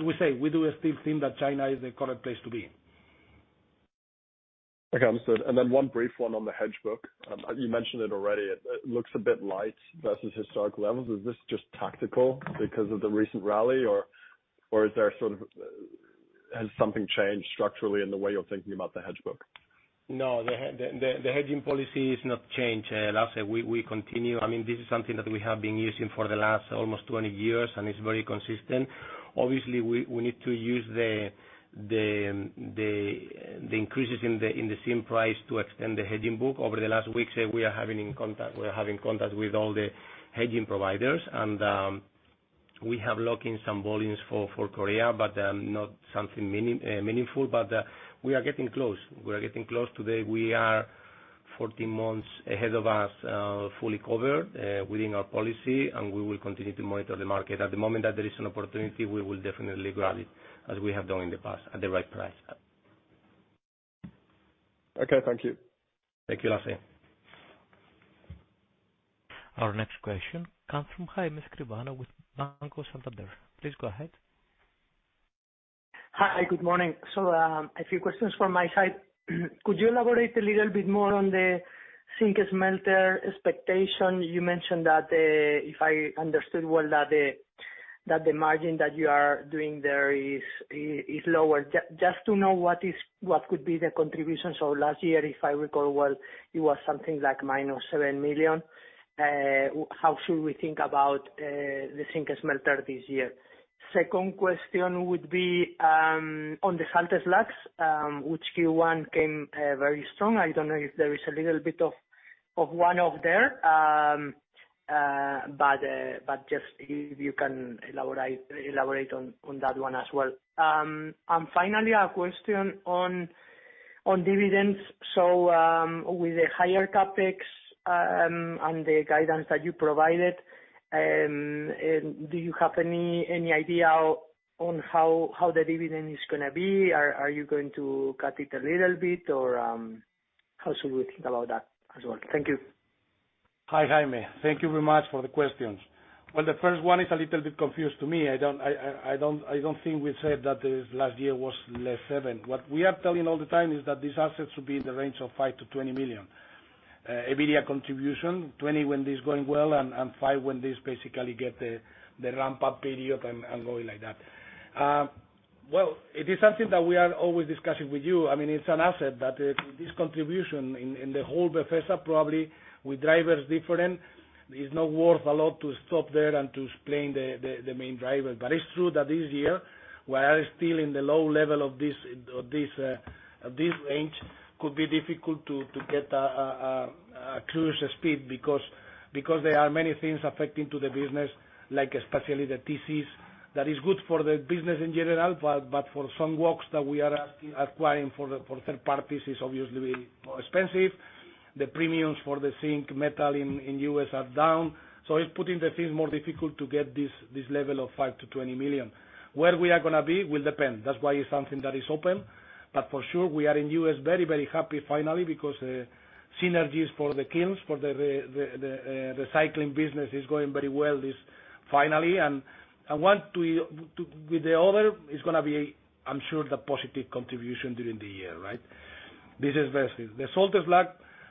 Speaker 4: we say, we do still think that China is the correct place to be.
Speaker 8: Okay. Understood. And then one brief one on the hedge book. You mentioned it already. It looks a bit light versus historical levels. Is this just tactical because of the recent rally, or is there sort of has something changed structurally in the way you're thinking about the hedge book?
Speaker 2: No. The hedging policy is not changed, Lasse. We continue. I mean, this is something that we have been using for the last almost 20 years, and it's very consistent. Obviously, we need to use the increases in the zinc price to extend the hedging book. Over the last weeks, we are having contact with all the hedging providers, and we have locked in some volumes for Korea, but not something meaningful. But we are getting close. We are getting close. Today, we are 14 months ahead of us, fully covered within our policy, and we will continue to monitor the market. At the moment that there is an opportunity, we will definitely grab it as we have done in the past at the right price.
Speaker 8: Okay. Thank you.
Speaker 2: Thank you, Lasse.
Speaker 1: Our next question comes from. Hi, Mr. Escribano with Banco Santander. Please go ahead.
Speaker 9: Hi. Good morning. So a few questions from my side. Could you elaborate a little bit more on the salt cake melter expectation? You mentioned that, if I understood well, that the margin that you are doing there is lower. Just to know what could be the contributions of last year, if I recall well, it was something like -7 million. How should we think about the salt cake melter this year? Second question would be on the salt slags, which Q1 came very strong. I don't know if there is a little bit of one-off there, but just if you can elaborate on that one as well. And finally, a question on dividends. So with the higher CapEx and the guidance that you provided, do you have any idea on how the dividend is going to be? Are you going to cut it a little bit, or how should we think about that as well? Thank you.
Speaker 4: Hi, Jaime. Thank you very much for the questions. Well, the first one is a little bit confused to me. I don't think we said that last year was less 7. What we are telling all the time is that these assets should be in the range of 5-20 million EBITDA contribution, 20 million when this is going well and 5 million when this basically gets the ramp-up period and going like that. Well, it is something that we are always discussing with you. I mean, it's an asset that this contribution in the whole Befesa probably with drivers different is not worth a lot to stop there and to explain the main drivers. But it's true that this year, while still in the low level of this range, it could be difficult to get a closer speed because there are many things affecting the business, especially the TCs that is good for the business in general, but for some works that we are acquiring for third parties, it's obviously more expensive. The premiums for the zinc metal in the U.S. are down. So it's putting the things more difficult to get this level of 5-20 million. Where we are going to be will depend. That's why it's something that is open. But for sure, we are in the U.S. very, very happy, finally, because the synergies for the kilns, for the recycling business is going very well finally. And with the other, it's going to be, I'm sure, the positive contribution during the year, right? This is basically. The salt slag,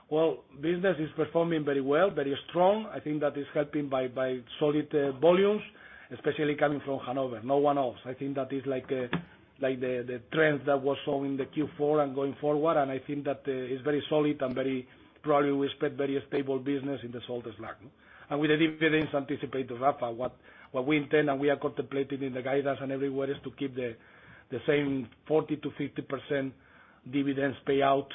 Speaker 4: well, business is performing very well, very strong. I think that it's helping by solid volumes, especially coming from Hanover. No one else. I think that it's like the trend that was showing in Q4 and going forward, and I think that it's very solid and very probably we expect very stable business in the salt slag. And with the dividends anticipated, Rafa, what we intend and we are contemplating in the guidance and everywhere is to keep the same 40%-50% dividends payout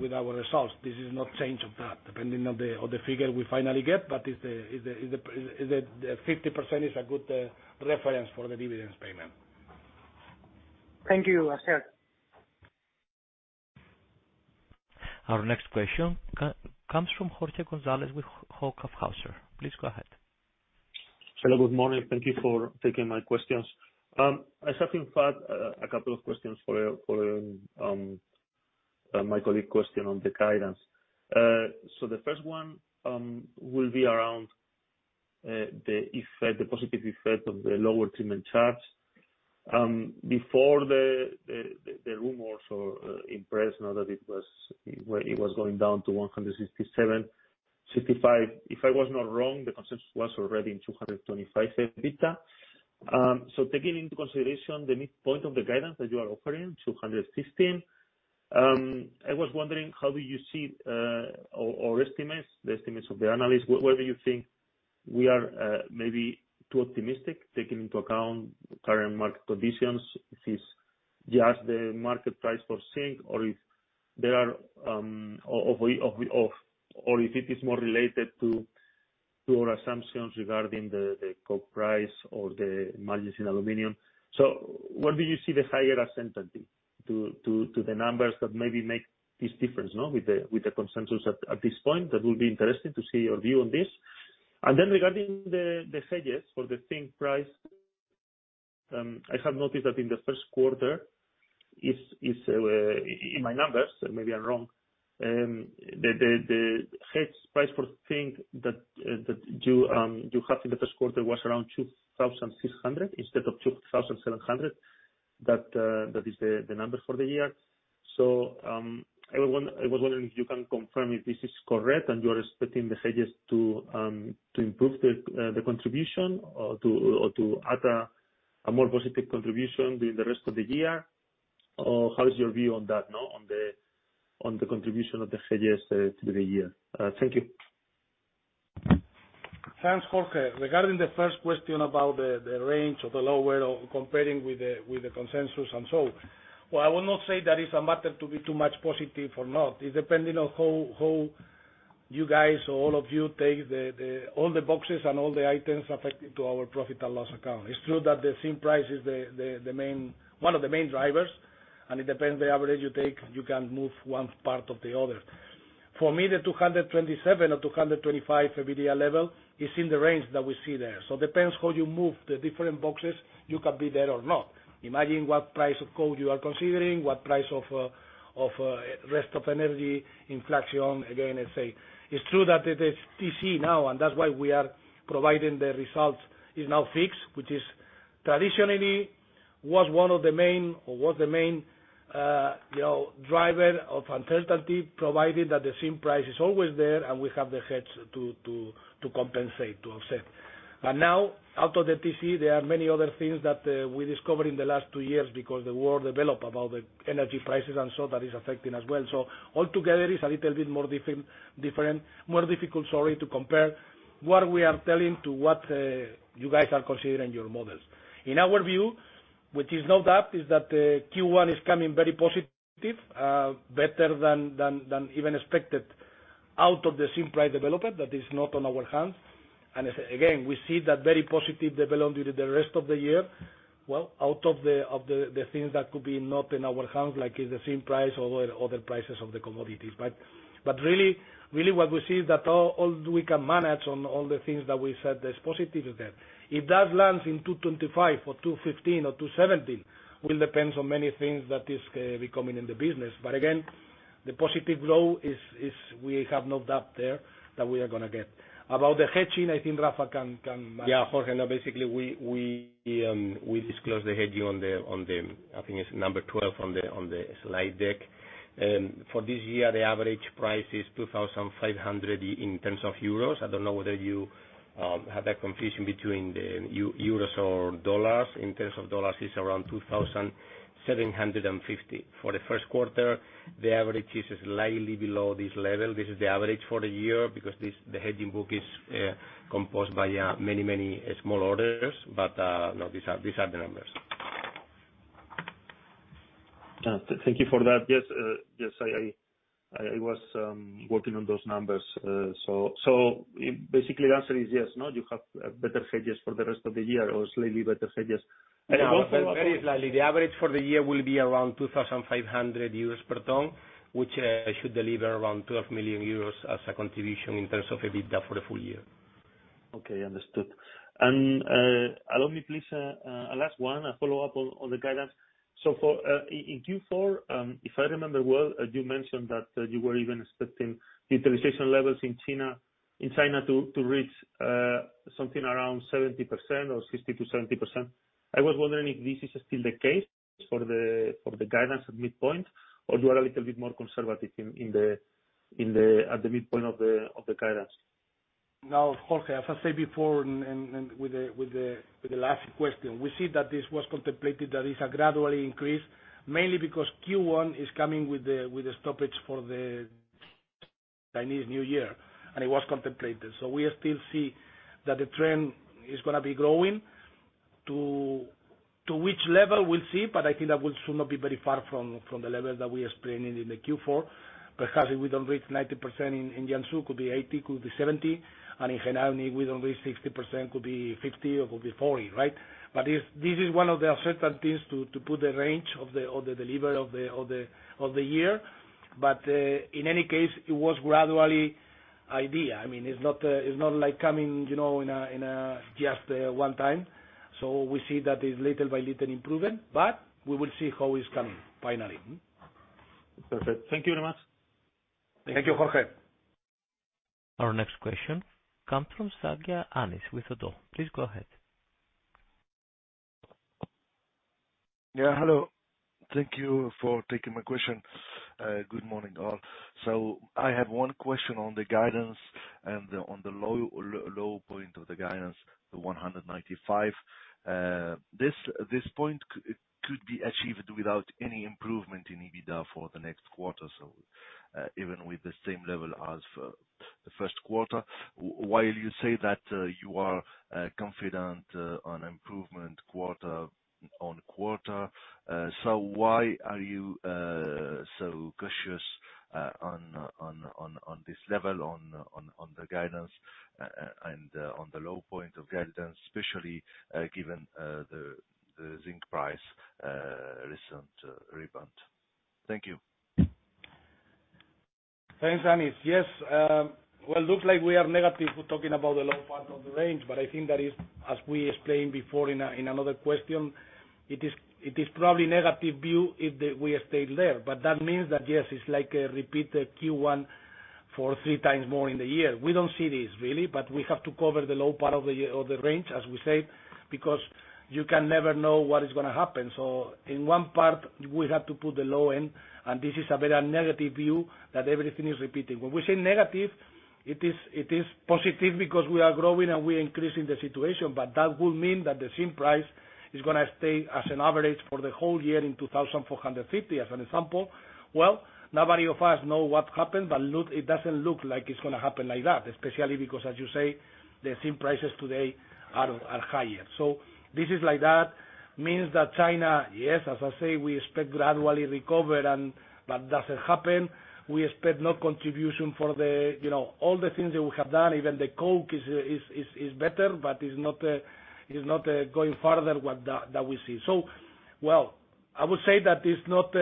Speaker 4: with our results. This is not a change of that depending on the figure we finally get, but the 50% is a good reference for the dividends payment.
Speaker 9: Thank you, Asier.
Speaker 1: Our next question comes from Jorge Gonzalez with Hauck & Aufhäuser. Please go ahead.
Speaker 10: Hello. Good morning. Thank you for taking my questions. As I think, Rafa, a couple of questions following my colleague's question on the guidance. So the first one will be around the positive effect of the lower treatment charge. Before the rumors or impression that it was going down to $167, $165, if I was not wrong, the consensus was already in 225 EBITDA. So taking into consideration the midpoint of the guidance that you are offering, 215, I was wondering, how do you see the estimates of the analysts? Whether you think we are maybe too optimistic taking into account current market conditions, if it's just the market price for zinc, or if it is more related to our assumptions regarding the zinc price or the margins in aluminum. So where do you see the higher sensitivity to the numbers that maybe make this difference with the consensus at this point? That will be interesting to see your view on this. Then regarding the hedges for the zinc price, I have noticed that in the first quarter, in my numbers, maybe I'm wrong, the hedge price for zinc that you have in the first quarter was around $2,600 instead of $2,700. That is the number for the year. So I was wondering if you can confirm if this is correct and you are expecting the hedges to improve the contribution or to add a more positive contribution during the rest of the year, or how is your view on that, on the contribution of the hedges through the year? Thank you.
Speaker 4: Thanks, Jorge. Regarding the first question about the range or the lower comparing with the consensus and so, well, I will not say that it's a matter to be too much positive or not. It's depending on how you guys or all of you take all the boxes and all the items affecting our profit and loss account. It's true that the zinc price is one of the main drivers, and it depends on the average you take. You can move one part of the other. For me, the 227 or 225 EBITDA level is in the range that we see there. So it depends how you move the different boxes. You can be there or not. Imagine what price of coal you are considering, what price of rest of energy inflation. Again, let's say. It's true that it is TC now, and that's why we are providing the results is now fixed, which traditionally was one of the main or was the main driver of uncertainty providing that the zinc price is always there, and we have the hedge to compensate, to offset. But now, out of the TC, there are many other things that we discovered in the last two years because the war developed about the energy prices and so that is affecting as well. So altogether, it's a little bit more difficult, sorry, to compare what we are telling to what you guys are considering your models. In our view, which is no doubt, is that Q1 is coming very positive, better than even expected out of the zinc price development that is not on our hands. And again, we see that very positive development during the rest of the year. Well, out of the things that could be not in our hands, like the zinc price or other prices of the commodities. But really, what we see is that all we can manage on all the things that we said is positive is there. If that lands in 225 or 215 or 217, it will depend on many things that is becoming in the business. But again, the positive growth, we have no doubt there that we are going to get. About the hedging, I think Rafa can answer.
Speaker 2: Yeah. Jorge, no. Basically, we disclosed the hedging on the, I think it's number 12 on the slide deck. For this year, the average price is 2,500 in terms of euros. I don't know whether you have that confusion between euros or dollars. In terms of dollars, it's around $2,750. For the first quarter, the average is slightly below this level. This is the average for the year because the hedging book is composed by many, many small orders, but no, these are the numbers.
Speaker 10: Thank you for that. Yes. Yes. I was working on those numbers. So basically, the answer is yes, no. You have better hedges for the rest of the year or slightly better hedges. And I will follow up on.
Speaker 2: I will add very slightly, the average for the year will be around 2,500 euros per ton, which should deliver around 12 million euros as a contribution in terms of EBITDA for the full year.
Speaker 10: Okay. Understood. And allow me, please, a last one, a follow-up on the guidance. So in Q4, if I remember well, you mentioned that you were even expecting utilization levels in China to reach something around 70% or 60%-70%. I was wondering if this is still the case for the guidance at midpoint, or you are a little bit more conservative at the midpoint of the guidance?
Speaker 2: No, Jorge. As I said before with the last question, we see that this was contemplated that it's a gradually increase, mainly because Q1 is coming with the stoppage for the Chinese New Year, and it was contemplated. So we still see that the trend is going to be growing. To which level, we'll see, but I think that will soon not be very far from the level that we explained in the Q4. Perhaps if we don't reach 90% in Jiangsu, it could be 80%, it could be 70%. And in Henan, if we don't reach 60%, it could be 50% or it could be 40%, right? But this is one of the uncertainties to put the range of the delivery of the year. But in any case, it was gradually an idea. I mean, it's not like coming in just one time. So we see that it's little by little improving, but we will see how it's coming finally.
Speaker 10: Perfect. Thank you very much.
Speaker 2: Thank you, Jorge.
Speaker 1: Our next question comes from Anis Zgaya with Oddo. Please go ahead.
Speaker 11: Yeah. Hello. Thank you for taking my question. Good morning, all. So I have one question on the guidance and on the low point of the guidance, the 195. This point, it could be achieved without any improvement in EBITDA for the next quarter, so even with the same level as for the first quarter. While you say that you are confident on improvement quarter-on-quarter, so why are you so cautious on this level, on the guidance and on the low point of guidance, especially given the zinc price recent rebound? Thank you.
Speaker 4: Thanks, Anis. Yes. Well, it looks like we are negative talking about the low part of the range, but I think that is, as we explained before in another question, it is probably a negative view if we stay there. But that means that, yes, it's like a repeat Q1 for three times more in the year. We don't see this, really, but we have to cover the low part of the range, as we said, because you can never know what is going to happen. So in one part, we have to put the low end, and this is a very negative view that everything is repeating. When we say negative, it is positive because we are growing and we are increasing the situation, but that would mean that the zinc price is going to stay as an average for the whole year in $2,450 as an example. Well, nobody of us knows what happened, but it doesn't look like it's going to happen like that, especially because, as you say, the zinc prices today are higher. So this is like that. It means that China, yes, as I say, we expect gradually recover, but it doesn't happen. We expect no contribution for all the things that we have done. Even the coal is better, but it's not going farther than what we see. So, well, I would say that it's not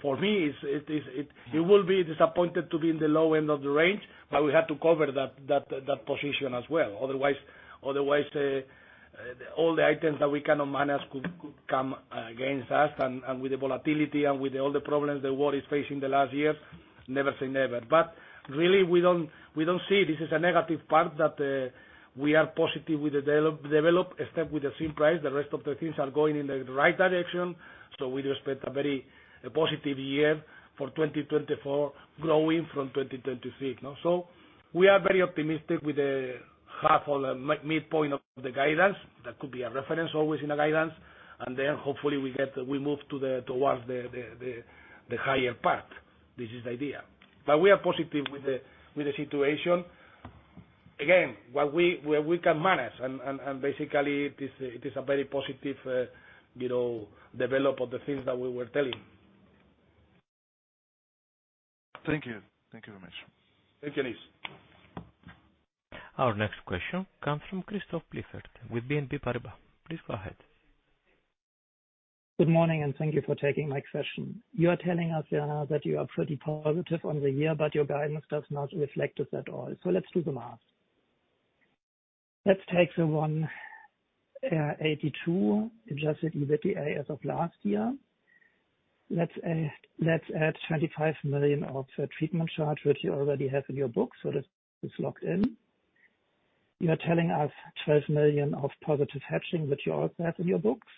Speaker 4: for me, it will be disappointing to be in the low end of the range, but we have to cover that position as well. Otherwise, all the items that we cannot manage could come against us, and with the volatility and with all the problems the world is facing the last years, never say never. But really, we don't see this as a negative part that we are positive with the development, except with the zinc price, the rest of the things are going in the right direction. So we do expect a very positive year for 2024, growing from 2023. So we are very optimistic with half or midpoint of the guidance. That could be a reference always in a guidance, and then hopefully, we move towards the higher part. This is the idea. But we are positive with the situation. Again, what we can manage, and basically, it is a very positive development of the things that we were telling.
Speaker 11: Thank you. Thank you very much.
Speaker 4: Thank you, Anis.
Speaker 1: Our next question comes from Christoph Scharf with BNP Paribas. Please go ahead.
Speaker 12: Good morning, and thank you for taking my question. You are telling us, Asier, that you are pretty positive on the year, but your guidance does not reflect this at all. So let's do the math. Let's take the 182 million Adjusted EBITDA as of last year. Let's add 25 million of treatment charge, which you already have in your books, so this is locked in. You are telling us 12 million of positive hedging, which you also have in your books.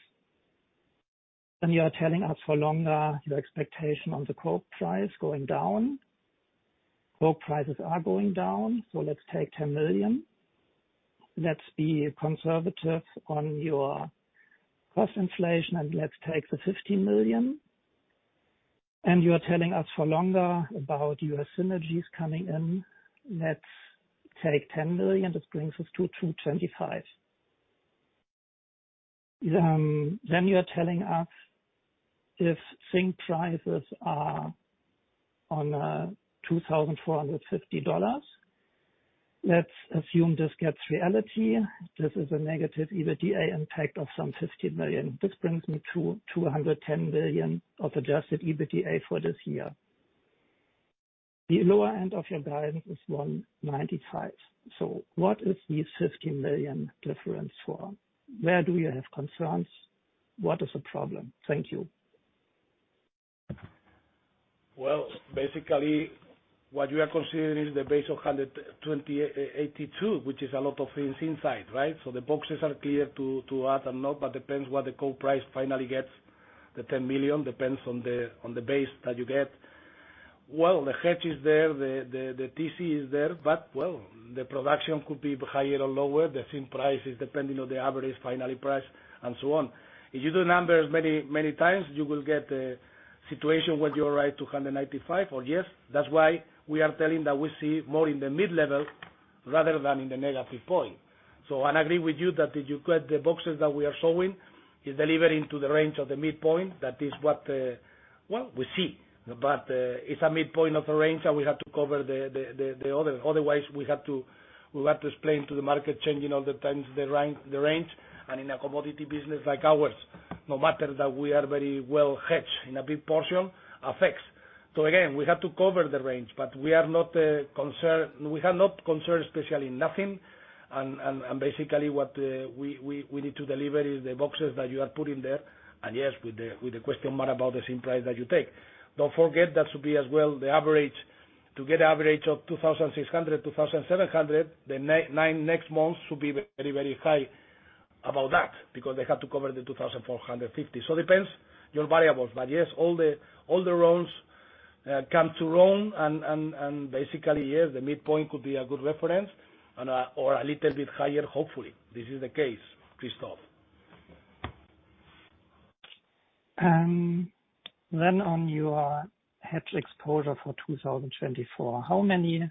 Speaker 12: And you are telling us for longer, your expectation on the coal price going down. Coal prices are going down, so let's take 10 million. Let's be conservative on your cost inflation, and let's take the 15 million. And you are telling us for longer about U.S. synergies coming in. Let's take 10 million. This brings us to 225 million. You are telling us if zinc prices are on $2,450, let's assume this gets reality. This is a negative EBITDA impact of some 15 million. This brings me to 210 million of Adjusted EBITDA for this year. The lower end of your guidance is 195 million. So what is this 15 million difference for? Where do you have concerns? What is the problem? Thank you.
Speaker 4: Well, basically, what you are considering is the base of 182, which is a lot of things inside, right? So the boxes are clear to add and not, but it depends what the coal price finally gets, the 10 million, depends on the base that you get. Well, the hedge is there. The TC is there, but well, the production could be higher or lower. The zinc price is depending on the average final price and so on. If you do numbers many times, you will get a situation where you are right to 195, or yes, that's why we are telling that we see more in the mid-level rather than in the negative point. So I agree with you that if you get the boxes that we are showing, it's delivering to the range of the midpoint. That is what, well, we see, but it's a midpoint of the range, and we have to cover the other. Otherwise, we have to explain to the market changing all the times the range. And in a commodity business like ours, no matter that we are very well hedged in a big portion, it affects. So again, we have to cover the range, but we are not concerned we have not concerned especially in nothing. And basically, what we need to deliver is the boxes that you are putting there. And yes, with the question mark about the zinc price that you take. Don't forget that should be as well the average to get an average of $2,600-$2,700. The next months should be very, very high about that because they have to cover the $2,450. So it depends on your variables, but yes, all the rounds come to round. Basically, yes, the midpoint could be a good reference or a little bit higher, hopefully. This is the case, Christoph.
Speaker 12: On your hedge exposure for 2024, how many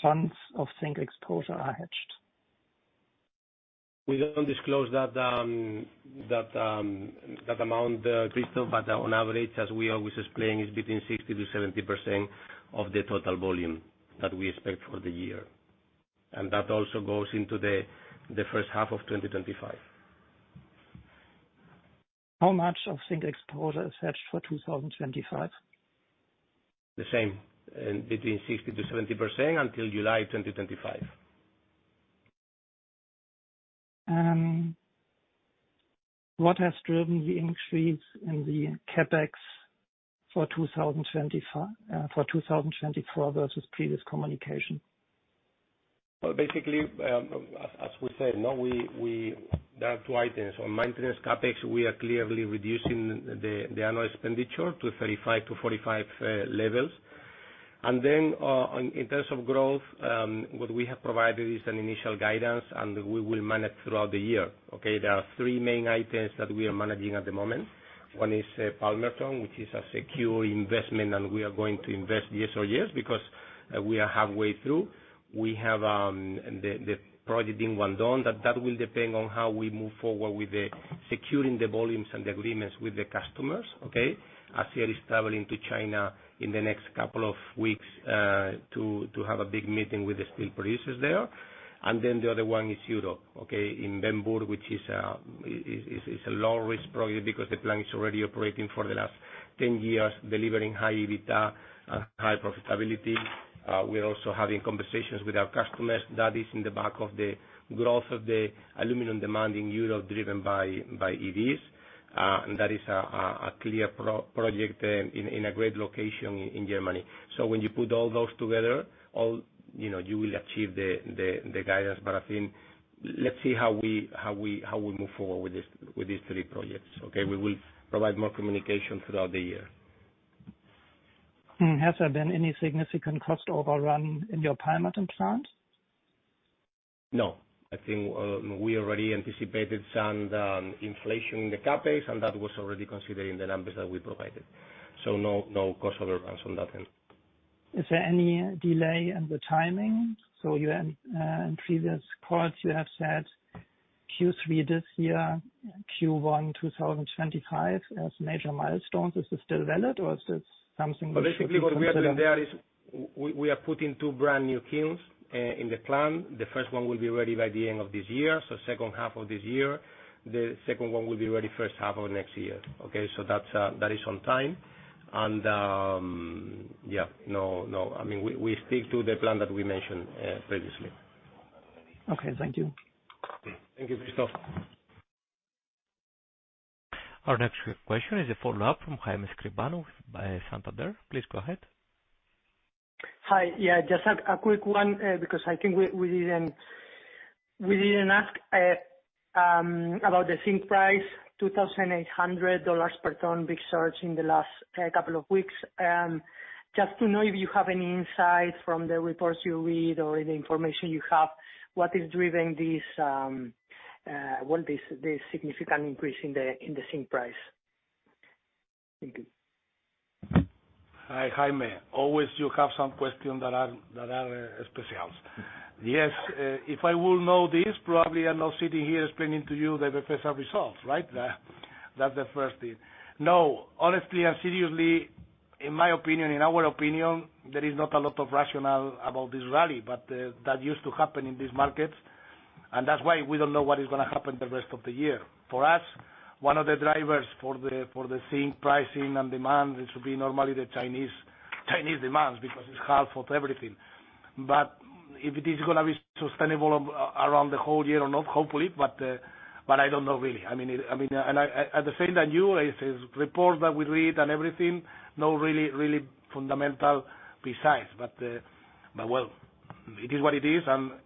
Speaker 12: tons of zinc exposure are hedged?
Speaker 2: We don't disclose that amount, Christoph, but on average, as we are always explaining, it's between 60%-70% of the total volume that we expect for the year. That also goes into the first half of 2025.
Speaker 12: How much of zinc exposure is hedged for 2025?
Speaker 2: The same, between 60%-70% until July 2025.
Speaker 12: What has driven the increase in the CapEx for 2024 versus previous communication?
Speaker 2: Well, basically, as we said, there are two items. On maintenance CapEx, we are clearly reducing the annual expenditure to 35-45 levels. And then in terms of growth, what we have provided is an initial guidance, and we will manage throughout the year, okay? There are three main items that we are managing at the moment. One is Palmerton, which is a secure investment, and we are going to invest yes or yes because we are halfway through. We have the project in Guangdong. That will depend on how we move forward with securing the volumes and the agreements with the customers, okay? Asier is traveling to China in the next couple of weeks to have a big meeting with the steel producers there. And then the other one is Europe, okay? In Bernburg, which is a low-risk project because the plant is already operating for the last 10 years, delivering high EBITDA and high profitability. We're also having conversations with our customers. That is in the back of the growth of the aluminum demand in Europe driven by EVs. And that is a clear project in a great location in Germany. So when you put all those together, you will achieve the guidance. But I think let's see how we move forward with these three projects, okay? We will provide more communication throughout the year.
Speaker 12: Has there been any significant cost overrun in your Palmerton plant?
Speaker 2: No. I think we already anticipated some inflation in the CapEx, and that was already considered in the numbers that we provided. No cost overruns on that end.
Speaker 12: Is there any delay in the timing? So in previous calls, you have said Q3 this year, Q1 2025 as major milestones. Is this still valid, or is this something that's?
Speaker 4: Well, basically, what we are doing there is we are putting two brand new kilns in the plant. The first one will be ready by the end of this year, so second half of this year. The second one will be ready first half of next year, okay? So that is on time. And yeah, no, no. I mean, we stick to the plan that we mentioned previously.
Speaker 12: Okay. Thank you.
Speaker 4: Thank you, Christoph.
Speaker 1: Our next question is a follow-up from Jaime Escribano with Santander. Please go ahead.
Speaker 9: Hi. Yeah, just a quick one because I think we didn't ask about the zinc price, $2,800 per ton, big surge in the last couple of weeks. Just to know if you have any insights from the reports you read or in the information you have, what is driving this, well, this significant increase in the zinc price? Thank you.
Speaker 4: Hi, Jaime. Always, you have some questions that are special. Yes, if I would know this, probably I'm not sitting here explaining to you the Befesa results, right? That's the first thing. No, honestly and seriously, in my opinion, in our opinion, there is not a lot of rationale about this rally, but that used to happen in these markets, and that's why we don't know what is going to happen the rest of the year. For us, one of the drivers for the zinc pricing and demand should be normally the Chinese demand because it's half of everything. But if it is going to be sustainable around the whole year or not, hopefully, but I don't know, really. I mean, and at the same time, the reports that we read and everything, no really, really fundamental besides. But well, it is what it is.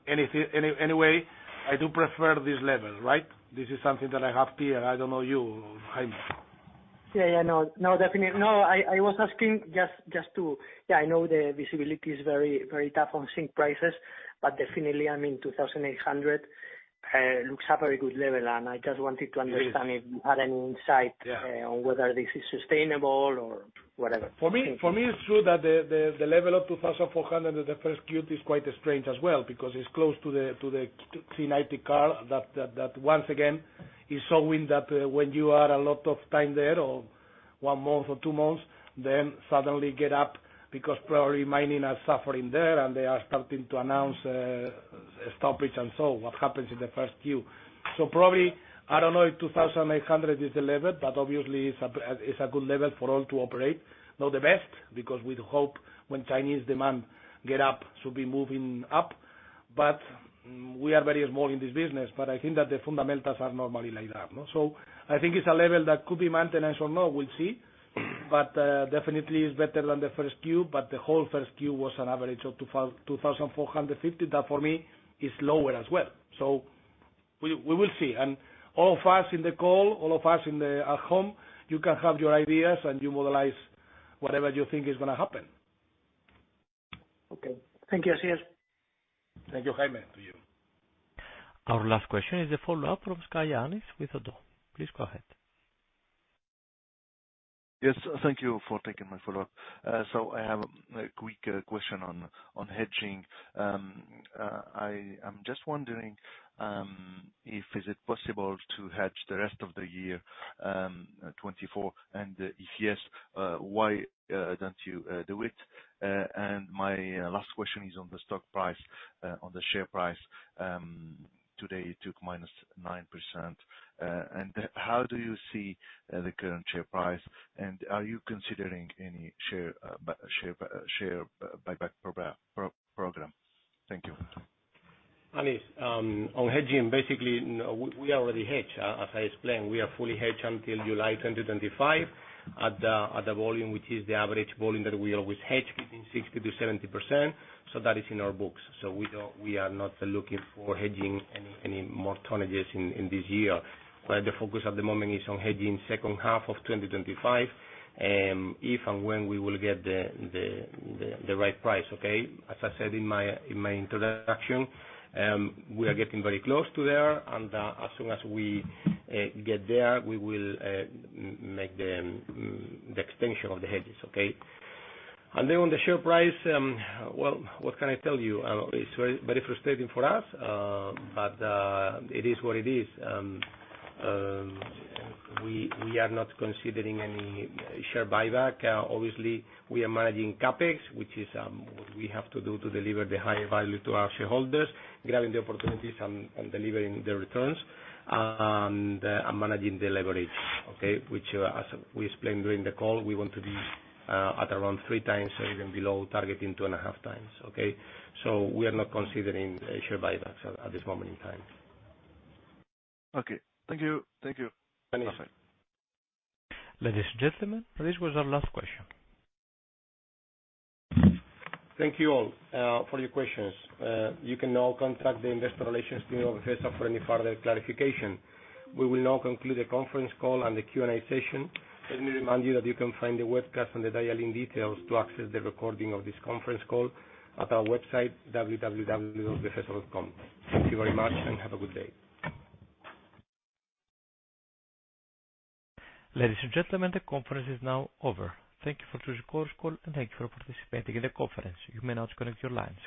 Speaker 4: Anyway, I do prefer this level, right? This is something that I have clear. I don't know you, Jaime.
Speaker 9: Yeah, yeah, no. No, definitely. No, I was asking just to yeah, I know the visibility is very, very tough on zinc prices, but definitely, I mean, $2,800 looks a very good level, and I just wanted to understand if you had any insight on whether this is sustainable or whatever.
Speaker 4: For me, it's true that the level of $2,400 at the first cut is quite strange as well because it's close to the C90 curve that, once again, is showing that when you are a lot of time there or one month or two months, then suddenly get up because probably mining is suffering there, and they are starting to announce stoppage and so what happens in the first Q. So probably, I don't know if $2,800 is the level, but obviously, it's a good level for all to operate. Not the best because we hope when Chinese demand gets up, it should be moving up. But we are very small in this business, but I think that the fundamentals are normally like that, no? So I think it's a level that could be maintenance or no. We'll see. Definitely, it's better than the first Q, but the whole first Q was an average of 2,450. That, for me, is lower as well. We will see. All of us in the call, all of us at home, you can have your ideas, and you mobilize whatever you think is going to happen.
Speaker 9: Okay. Thank you, Asier.
Speaker 4: Thank you, Jaime. To you.
Speaker 1: Our last question is a follow-up from Anis Zgaya with Oddo. Please go ahead.
Speaker 11: Yes. Thank you for taking my follow-up. So I have a quick question on hedging. I am just wondering, is it possible to hedge the rest of the year 2024? And if yes, why don't you do it? And my last question is on the stock price, on the share price. Today, it took -9%. And how do you see the current share price? And are you considering any share buyback program? Thank you.
Speaker 2: Anis, on hedging, basically, we already hedge. As I explained, we are fully hedged until July 2025 at the volume, which is the average volume that we always hedge, between 60%-70%. So that is in our books. So we are not looking for hedging any more tonnages in this year. The focus at the moment is on hedging second half of 2025 and if and when we will get the right price, okay? As I said in my introduction, we are getting very close to there, and as soon as we get there, we will make the extension of the hedges, okay? And then on the share price, well, what can I tell you? It's very frustrating for us, but it is what it is. We are not considering any share buyback. Obviously, we are managing CapEx, which is what we have to do to deliver the higher value to our shareholders, grabbing the opportunities and delivering the returns, and managing the leverage, okay? Which, as we explained during the call, we want to be at around 3x or even below, targeting 2.5x, okay? So we are not considering share buybacks at this moment in time.
Speaker 11: Okay. Thank you. Thank you.
Speaker 2: Anis.
Speaker 11: Bye-bye.
Speaker 1: Ladies and gentlemen, this was our last question.
Speaker 2: Thank you all for your questions. You can now contact the investor relations team of Befesa for any further clarification. We will now conclude the conference call and the Q&A session. Let me remind you that you can find the webcast and the dial-in details to access the recording of this conference call at our website, www.befesa.com. Thank you very much and have a good day.
Speaker 1: Ladies and gentlemen, the conference is now over. Thank you for choosing Chorus Call, and thank you for participating in the conference. You may now disconnect your line.